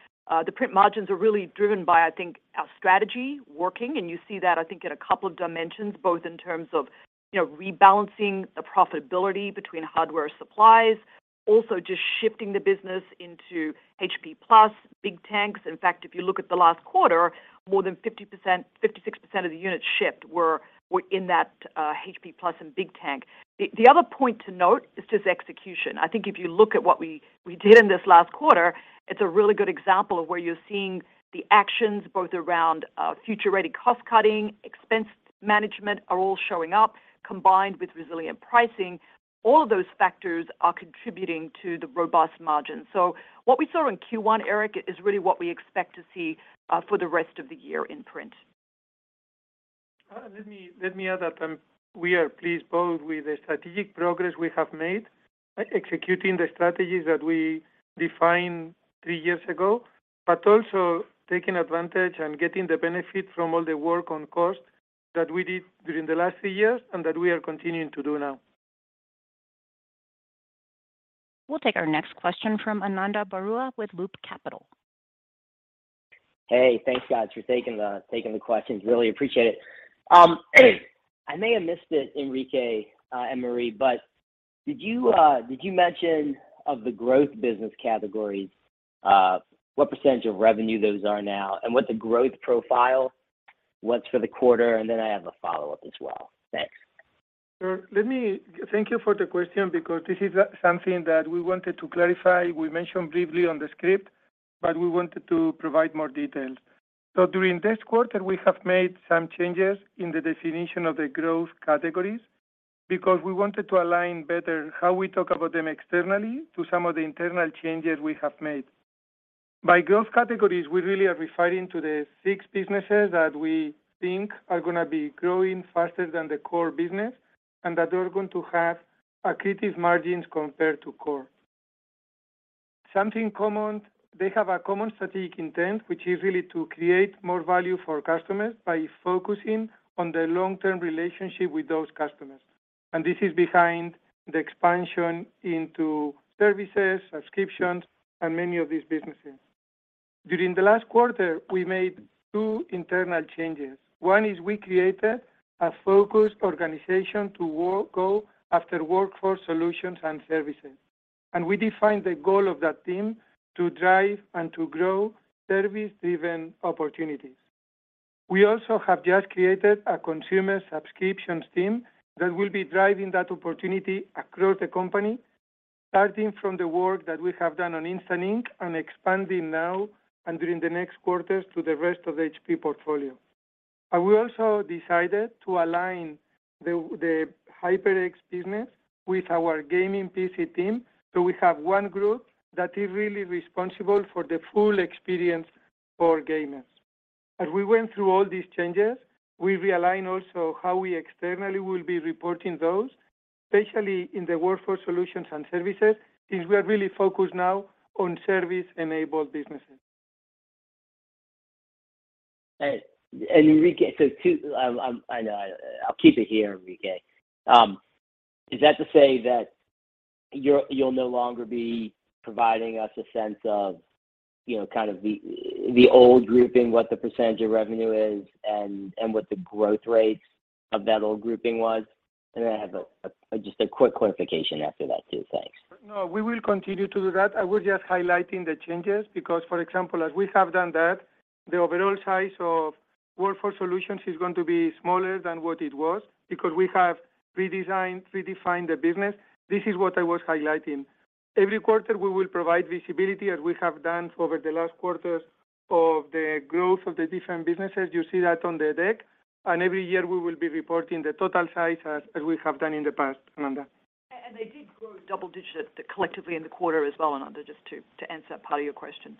The print margins are really driven by, I think, our strategy working. You see that, I think, in a couple of dimensions, both in terms of, you know, rebalancing the profitability between hardware supplies, also just shifting the business into HP+ Big Tanks. In fact, if you look at the last quarter, more than 56% of the units shipped were in that HP+ and Big Tank. The other point to note is just execution. I think if you look at what we did in this last quarter, it's a really good example of where you're seeing the actions both around Future Ready cost-cutting, expense management are all showing up, combined with resilient pricing. All of those factors are contributing to the robust margin. What we saw in Q1, Erik, is really what we expect to see for the rest of the year in print. Let me add that, we are pleased both with the strategic progress we have made, executing the strategies that we defined three years ago, but also taking advantage and getting the benefit from all the work on cost that we did during the last three years and that we are continuing to do now. We'll take our next question from Ananda Baruah with Loop Capital. Hey, thanks, guys, for taking the questions. Really appreciate it. I may have missed it, Enrique, and Marie, but did you mention of the growth business categories, what percentage of revenue those are now and what the growth profile was for the quarter? I have a follow-up as well. Thanks. Sure. Thank you for the question because this is something that we wanted to clarify. We mentioned briefly on the script, we wanted to provide more details. During this quarter, we have made some changes in the definition of the growth categories because we wanted to align better how we talk about them externally to some of the internal changes we have made. By growth categories, we really are referring to the six businesses that we think are going to be growing faster than the core business and that they're going to have accretive margins compared to core. Something common, they have a common strategic intent, which is really to create more value for customers by focusing on the long-term relationship with those customers. This is behind the expansion into services, subscriptions, and many of these businesses. During the last quarter, we made two internal changes. One is we created a focused organization to go after Workforce Solutions and services. We defined the goal of that team to drive and to grow service-driven opportunities. We also have just created a consumer subscriptions team that will be driving that opportunity across the company, starting from the work that we have done on Instant Ink and expanding now and during the next quarters to the rest of the HP portfolio. We also decided to align the HyperX business with our gaming PC team, so we have one group that is really responsible for the full experience for gamers. As we went through all these changes, we realigned also how we externally will be reporting those, especially in the Workforce Solutions and services, since we are really focused now on service-enabled businesses. Enrique, I'll keep it here, Enrique. Is that to say that you're, you'll no longer be providing us a sense of, you know, kind of the old grouping, what the percentage of revenue is and what the growth rate of that old grouping was? Then I have a just a quick clarification after that too. Thanks. No, we will continue to do that. I was just highlighting the changes because, for example, as we have done that, the overall size of Workforce Solutions is going to be smaller than what it was because we have redesigned, redefined the business. This is what I was highlighting. Every quarter, we will provide visibility as we have done over the last quarters of the growth of the different businesses. You see that on the deck. Every year, we will be reporting the total size as we have done in the past, Ananda. They did grow double-digit collectively in the quarter as well, Ananda, just to answer that part of your question.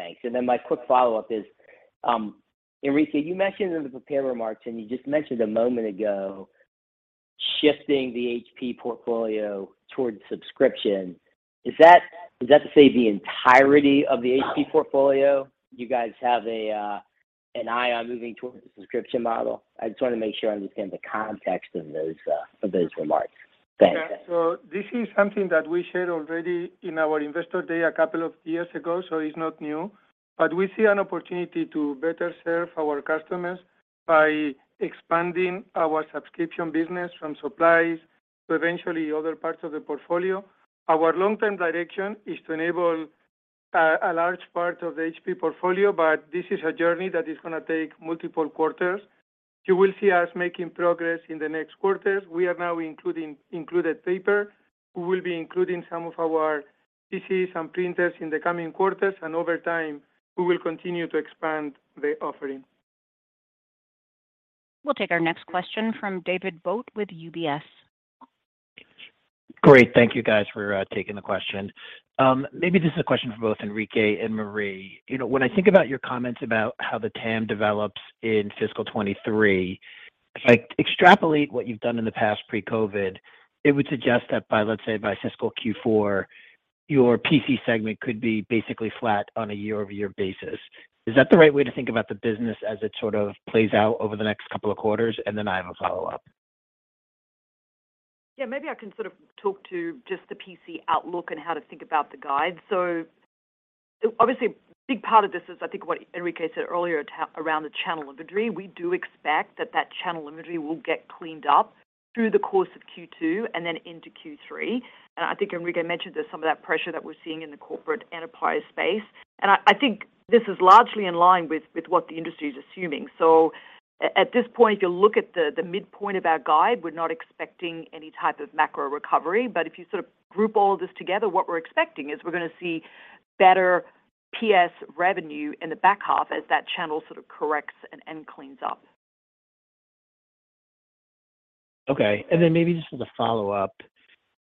Thanks. My quick follow-up is, Enrique, you mentioned in the prepared remarks, and you just mentioned a moment ago, shifting the HP portfolio towards subscription. Is that to say the entirety of the HP portfolio, you guys have an eye on moving towards the subscription model? I just wanna make sure I understand the context of those remarks. Thanks. This is something that we shared already in our Investor Day a couple of years ago, so it's not new. We see an opportunity to better serve our customers by expanding our subscription business from supplies to eventually other parts of the portfolio. Our long-term direction is to enable a large part of the HP portfolio. This is a journey that is going to take multiple quarters. You will see us making progress in the next quarters. We are now included paper. We will be including some of our PCs and printers in the coming quarters. Over time, we will continue to expand the offering. We'll take our next question from David Vogt with UBS. Great. Thank you guys for taking the question. Maybe this is a question for both Enrique and Marie. You know, when I think about your comments about how the TAM develops in fiscal 23, if I extrapolate what you've done in the past pre-COVID, it would suggest that by, let's say, by fiscal Q4, your PC segment could be basically flat on a year-over-year basis. Is that the right way to think about the business as it sort of plays out over the next couple of quarters? Then I have a follow-up. Yeah. Maybe I can sort of talk to just the PC outlook and how to think about the guide. Obviously, a big part of this is I think what Enrique said earlier around the channel inventory. We do expect that that channel inventory will get cleaned up through the course of Q2 and then into Q3. I think Enrique mentioned there's some of that pressure that we're seeing in the corporate enterprise space. I think this is largely in line with what the industry is assuming. At this point, if you look at the midpoint of our guide, we're not expecting any type of macro recovery. If you sort of group all this together, what we're expecting is we're gonna see better PS revenue in the back half as that channel sort of corrects and cleans up. Okay. Maybe just as a follow-up.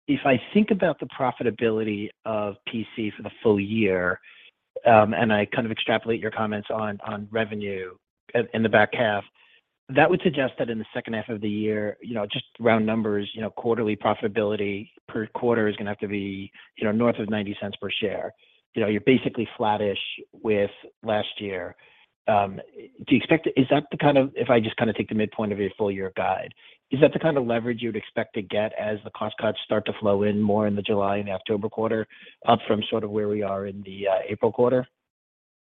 If I think about the profitability of PC for the full year, and I kind of extrapolate your comments on revenue in the back half, that would suggest that in the second half of the year, you know, just round numbers, you know, quarterly profitability per quarter is gonna have to be, you know, north of $0.90 per share. You know, you're basically flattish with last year. Is that the kind of leverage you would expect to get as the cost cuts start to flow in more in the July and October quarter, up from sort of where we are in the April quarter?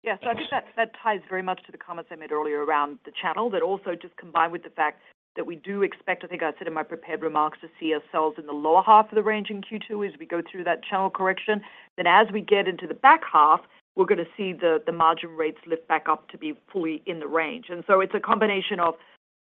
Yeah. I think that ties very much to the comments I made earlier around the channel, but also just combined with the fact that we do expect, I think I said in my prepared remarks, to see ourselves in the lower half of the range in Q2 as we go through that channel correction. As we get into the back half, we're gonna see the margin rates lift back up to be fully in the range. It's a combination of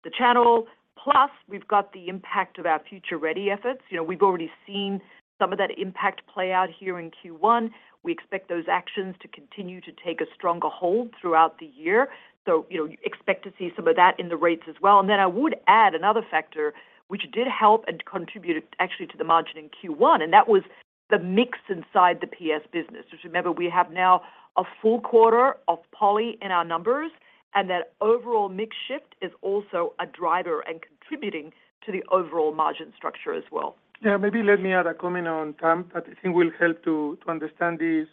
the channel, plus we've got the impact of our Future Ready efforts. You know, we've already seen some of that impact play out here in Q1. We expect those actions to continue to take a stronger hold throughout the year. You know, expect to see some of that in the rates as well. I would add another factor which did help and contributed actually to the margin in Q1, and that was the mix inside the PS business. Just remember, we have now a full quarter of Poly in our numbers, and that overall mix shift is also a driver and contributing to the overall margin structure as well. Maybe let me add a comment on TAM that I think will help to understand these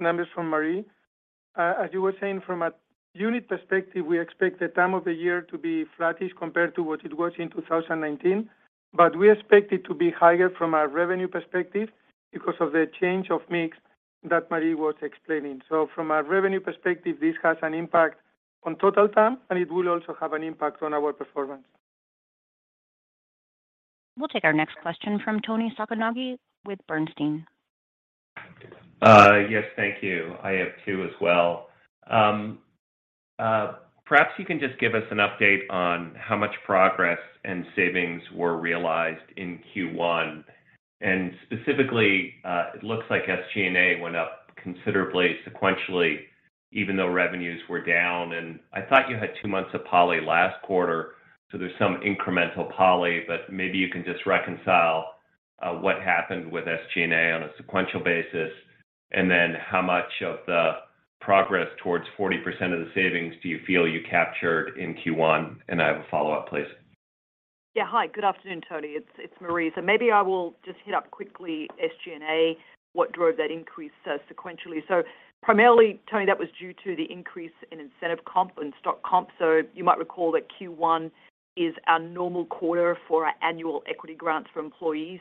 numbers from Marie. As you were saying, from a unit perspective, we expect the time of the year to be flattish compared to what it was in 2019, we expect it to be higher from a revenue perspective because of the change of mix that Marie was explaining. From a revenue perspective, this has an impact on total TAM, and it will also have an impact on our performance. We'll take our next question from Toni Sacconaghi with Bernstein. Yes. Thank you. I have two as well. Perhaps you can just give us an update on how much progress and savings were realized in Q1. Specifically, it looks like SG&A went up considerably sequentially even though revenues were down. I thought you had two months of Poly last quarter, so there's some incremental Poly. Maybe you can just reconcile what happened with SG&A on a sequential basis, and then how much of the progress towards 40% of the savings do you feel you captured in Q1? I have a follow-up, please. Yeah. Hi. Good afternoon, Tony. It's Marie. Maybe I will just hit up quickly SG&A, what drove that increase sequentially. Primarily, Tony, that was due to the increase in incentive comp and stock comp. You might recall that Q1 is our normal quarter for our annual equity grants for employees.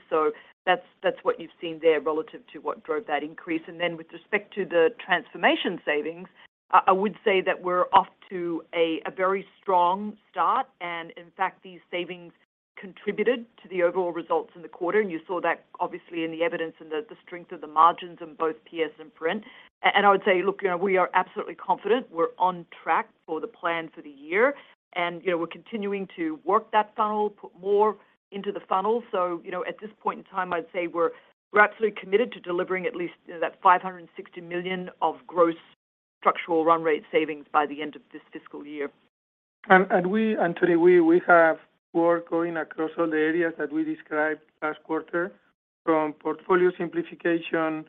That's what you've seen there relative to what drove that increase. With respect to the transformation savings, I would say that we're off to a very strong start. In fact, these savings contributed to the overall results in the quarter. You saw that obviously in the evidence and the strength of the margins in both PS and Print. I would say, look, you know, we are absolutely confident we're on track for the plan for the year. You know, we're continuing to work that funnel, put more into the funnel. You know, at this point in time, I'd say we're absolutely committed to delivering at least, you know, that $560 million of gross structural run rate savings by the end of this fiscal year. Tony, we have work going across all the areas that we described last quarter, from portfolio simplification,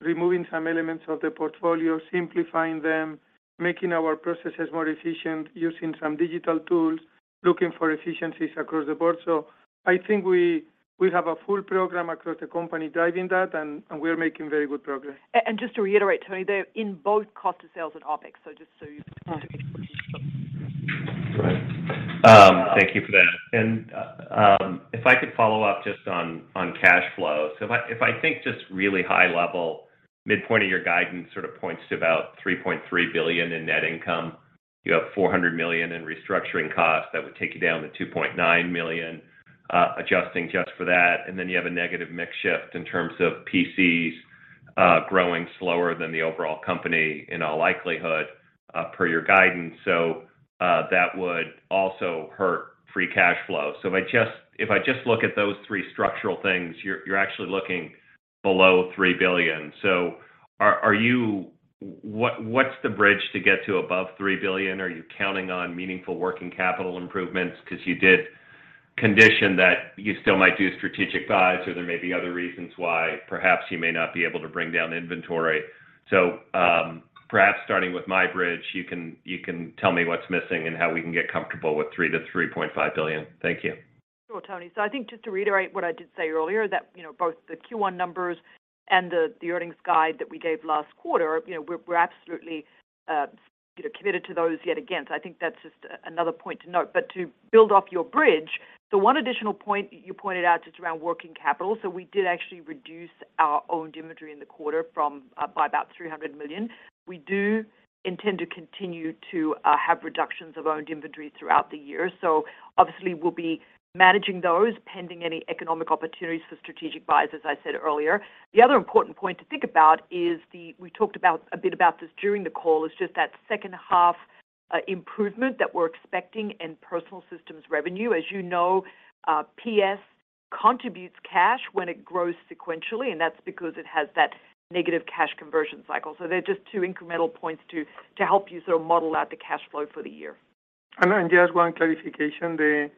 removing some elements of the portfolio, simplifying them, making our processes more efficient, using some digital tools, looking for efficiencies across the board. I think we have a full program across the company driving that, and we are making very good progress. Just to reiterate, Tony, they're in both cost of sales and OpEx. Just so you can kind of get a picture. Right. Thank you for that. If I could follow up just on cash flow. If I think just really high level, midpoint of your guidance sort of points to about $3.3 billion in net income. You have $400 million in restructuring costs. That would take you down to $2.9 million, adjusting just for that. Then you have a negative mix shift in terms of PCs, growing slower than the overall company in all likelihood, per your guidance. That would also hurt free cash flow. If I just look at those three structural things, you're actually looking Below $3 billion. What's the bridge to get to above $3 billion? Are you counting on meaningful working capital improvements? 'Cause you did condition that you still might do strategic buys or there may be other reasons why perhaps you may not be able to bring down inventory. Perhaps starting with my bridge, you can tell me what's missing and how we can get comfortable with $3 billion-$3.5 billion. Thank you. Sure, Tony. I think just to reiterate what I did say earlier, that, you know, both the Q1 numbers and the earnings guide that we gave last quarter, you know, we're absolutely, you know, committed to those yet again. I think that's just another point to note. To build off your bridge, the one additional point you pointed out just around working capital, we did actually reduce our owned inventory in the quarter from by about $300 million. We do intend to continue to have reductions of owned inventory throughout the year. Obviously we'll be managing those pending any economic opportunities for strategic buys, as I said earlier. The other important point to think about is the... we talked about a bit about this during the call, is just that second half, improvement that we're expecting in Personal Systems revenue. As you know, PS contributes cash when it grows sequentially, and that's because it has that negative cash conversion cycle. They're just two incremental points to help you sort of model out the cash flow for the year. Just one clarification.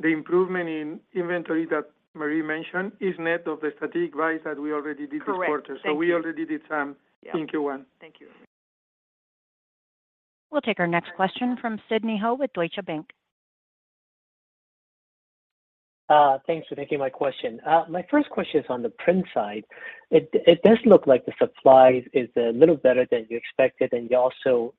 The improvement in inventory that Marie mentioned is net of the strategic buys that we already did this quarter. Correct. Thank you. We already did. Yeah. -in Q1. Thank you. We'll take our next question from Sidney Ho with Deutsche Bank. Thanks for taking my question. My first question is on the print side. It does look like the supplies is a little better than you expected, and you also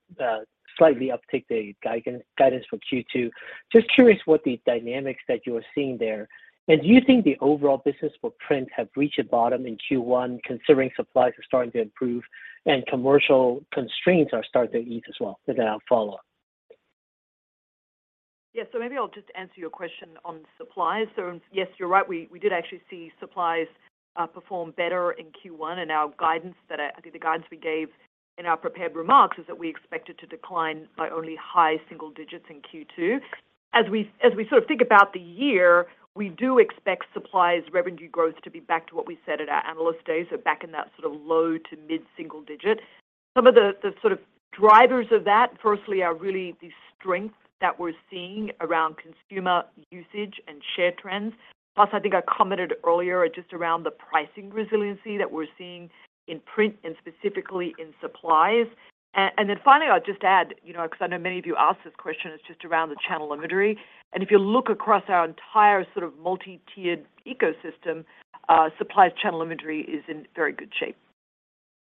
slightly upticked the guidance for Q2. Just curious what the dynamics that you are seeing there? Do you think the overall business for print have reached a bottom in Q1 considering supplies are starting to improve and commercial constraints are starting to ease as well? With that, I'll follow up. Yeah. Maybe I'll just answer your question on supplies. Yes, you're right. We did actually see supplies perform better in Q1, and our guidance that I think the guidance we gave in our prepared remarks is that we expect it to decline by only high single digits in Q2. As we sort of think about the year, we do expect supplies revenue growth to be back to what we said at our Analyst Day, so back in that sort of low to mid single digit. Some of the sort of drivers of that firstly are really the strength that we're seeing around consumer usage and share trends. Plus, I think I commented earlier just around the pricing resiliency that we're seeing in print and specifically in supplies. Then finally, I'll just add, you know, 'cause I know many of you asked this question is just around the channel inventory. If you look across our entire sort of multi-tiered ecosystem, supplies channel inventory is in very good shape.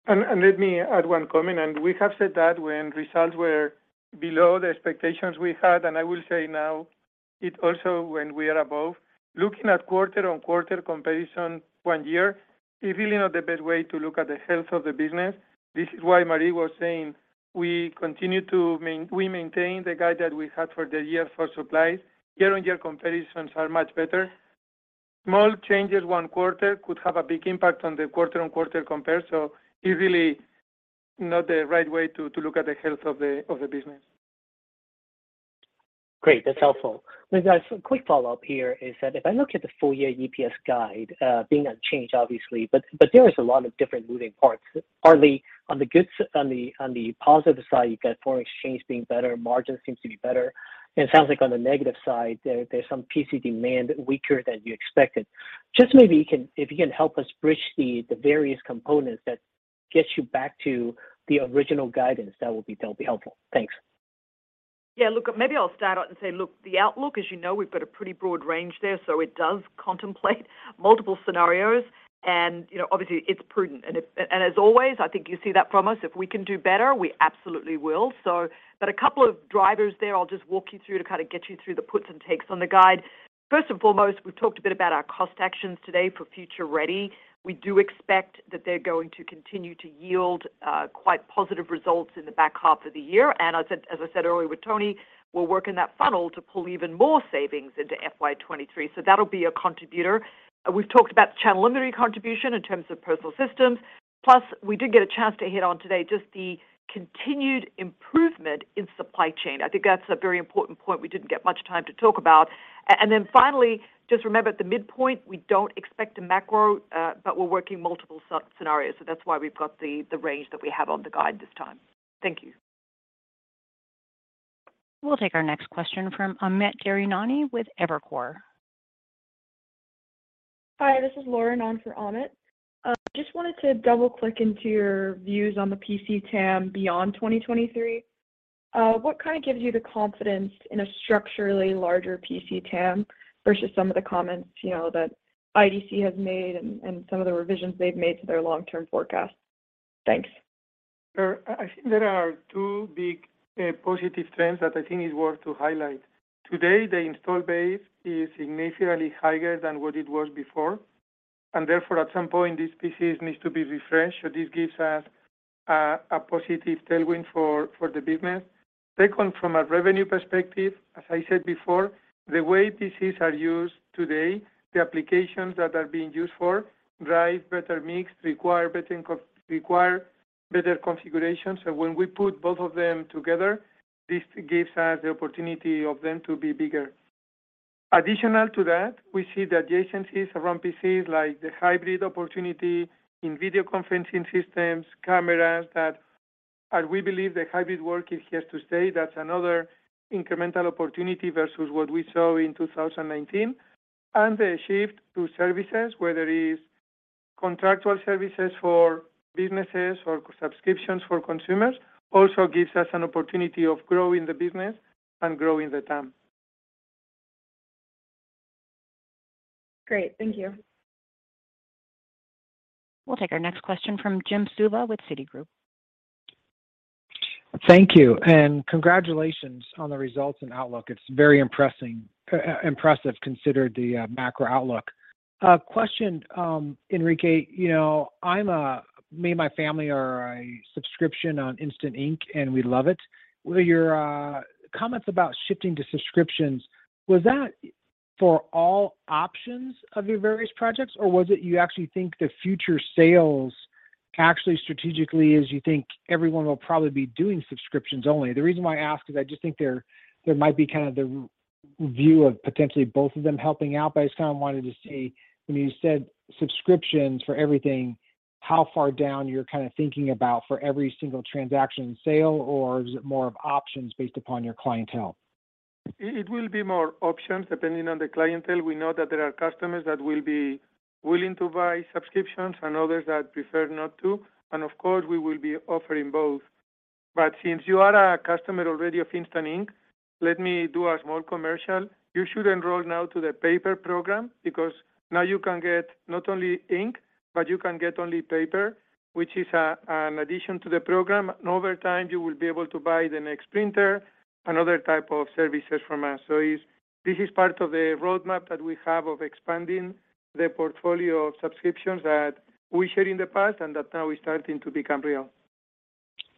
Let me add one comment. We have said that when results were below the expectations we had, and I will say now it also when we are above. Looking at quarter-on-quarter comparison one year is really not the best way to look at the health of the business. This is why Marie was saying we continue to maintain the guide that we had for the year for supplies. Year-on-year comparisons are much better. Small changes one quarter could have a big impact on the quarter-on-quarter compare, so it's really not the right way to look at the health of the business. Great. That's helpful. Maybe just a quick follow-up here is that if I look at the full year EPS guide, being unchanged obviously, but there is a lot of different moving parts. Partly on the good on the positive side, you've got foreign exchange being better, margin seems to be better. It sounds like on the negative side, there's some PC demand weaker than you expected. Maybe if you can help us bridge the various components that gets you back to the original guidance, that would be helpful. Thanks. Yeah. Look, maybe I'll start out and say, look, the outlook, as you know, we've got a pretty broad range there. It does contemplate multiple scenarios. You know, obviously it's prudent. As always, I think you see that from us, if we can do better, we absolutely will. A couple of drivers there I'll just walk you through to kind of get you through the puts and takes on the guide. First and foremost, we've talked a bit about our cost actions today for Future Ready. We do expect that they're going to continue to yield quite positive results in the back half of the year. As I said earlier with Toni, we're working that funnel to pull even more savings into FY 2023. That'll be a contributor. We've talked about the channel inventory contribution in terms of Personal Systems, plus we did get a chance to hit on today just the continued improvement in supply chain. I think that's a very important point we didn't get much time to talk about. Then finally, just remember at the midpoint, we don't expect a macro, but we're working multiple sub scenarios. That's why we've got the range that we have on the guide this time. Thank you. We'll take our next question from Amit Daryanani with Evercore. Hi, this is Lauren on for Amit. Just wanted to double-click into your views on the PC TAM beyond 2023? What kind of gives you the confidence in a structurally larger PC TAM versus some of the comments, you know, that IDC has made and some of the revisions they've made to their long-term forecast? Thanks. Sure. I think there are two big positive trends that I think is worth to highlight. Today, the install base is significantly higher than what it was before. Therefore at some point these PCs needs to be refreshed. This gives us a positive tailwind for the business. Second, from a revenue perspective, as I said before, the way PCs are used today, the applications that are being used for drive better mix, require better configurations. When we put both of them together, this gives us the opportunity of them to be bigger. Additional to that, we see the adjacencies around PCs, like the hybrid opportunity in video conferencing systems, cameras that. We believe the hybrid work is here to stay. That's another incremental opportunity versus what we saw in 2019. The shift to services, whether it is contractual services for businesses or subscriptions for consumers, also gives us an opportunity of growing the business and growing the TAM. Great. Thank you. We'll take our next question from Jim Suva with Citigroup. Thank you. Congratulations on the results and outlook. It's very impressive, considering the macro outlook. A question, Enrique. You know, me and my family are a subscription on Instant Ink, and we love it. With your comments about shifting to subscriptions, was that for all options of your various projects? Was it you actually think the future sales actually strategically is you think everyone will probably be doing subscriptions only? The reason why I ask is I just think there might be kind of the view of potentially both of them helping out, but I just kind of wanted to see when you said subscriptions for everything, how far down you're kind of thinking about for every single transaction sale, or is it more of options based upon your clientele? It will be more options depending on the clientele. We know that there are customers that will be willing to buy subscriptions and others that prefer not to, and of course, we will be offering both. Since you are a customer already of Instant Ink, let me do a small commercial. You should enroll now to the paper program because now you can get not only ink, but you can get only paper, which is an addition to the program. Over time, you will be able to buy the next printer and other type of services from us. This is part of the roadmap that we have of expanding the portfolio of subscriptions that we shared in the past and that now is starting to become real.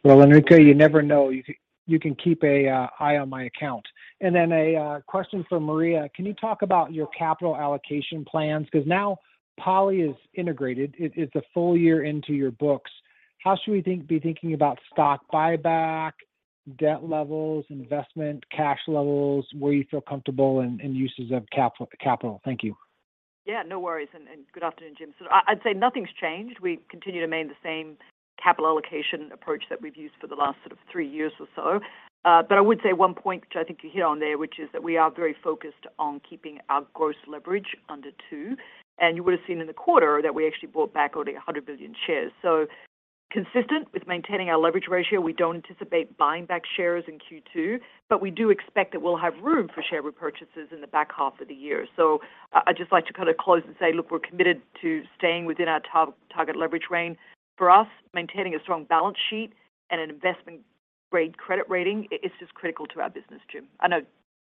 Well, Enrique, you never know. You can keep a eye on my account. A question for Marie Myers. Can you talk about your capital allocation plans? 'Cause now Poly is integrated. It's a full year into your books. How should we be thinking about stock buyback, debt levels, investment, cash levels, where you feel comfortable and uses of capital? Thank you. Yeah, no worries. Good afternoon, Jim. I'd say nothing's changed. We continue to remain the same capital allocation approach that we've used for the last sort of three years or so. I would say one point which I think you hit on there, which is that we are very focused on keeping our gross leverage under two. You would've seen in the quarter that we actually bought back only 100 billion shares. Consistent with maintaining our leverage ratio, we don't anticipate buying back shares in Q2, but we do expect that we'll have room for share repurchases in the back half of the year. I'd just like to kinda close and say, look, we're committed to staying within our target leverage range. For us, maintaining a strong balance sheet and an investment-grade credit rating is just critical to our business, Jim. I know,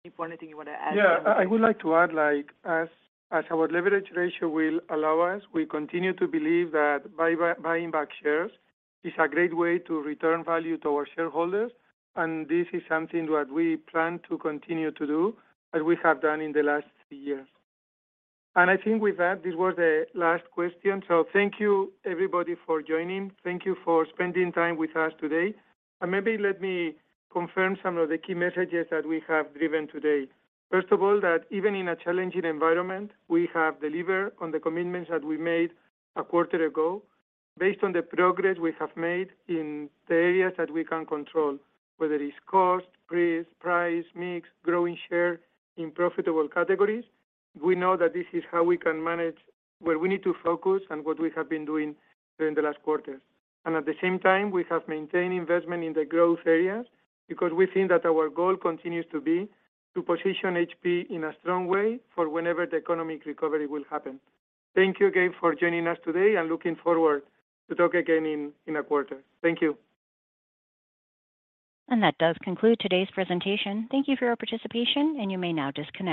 Enrique, anything you wanna add? Yeah. I would like to add, like, as our leverage ratio will allow us, we continue to believe that buying back shares is a great way to return value to our shareholders, this is something that we plan to continue to do as we have done in the last three years. I think with that, this was the last question. Thank you, everybody, for joining. Thank you for spending time with us today. Maybe let me confirm some of the key messages that we have given today. First of all, that even in a challenging environment, we have delivered on the commitments that we made a quarter ago based on the progress we have made in the areas that we can control, whether it's cost, price, mix, growing share in profitable categories. We know that this is how we can manage where we need to focus and what we have been doing during the last quarters. At the same time, we have maintained investment in the growth areas because we think that our goal continues to be to position HP in a strong way for whenever the economic recovery will happen. Thank you again for joining us today. Looking forward to talk again in a quarter. Thank you. That does conclude today's presentation. Thank you for your participation, and you may now disconnect.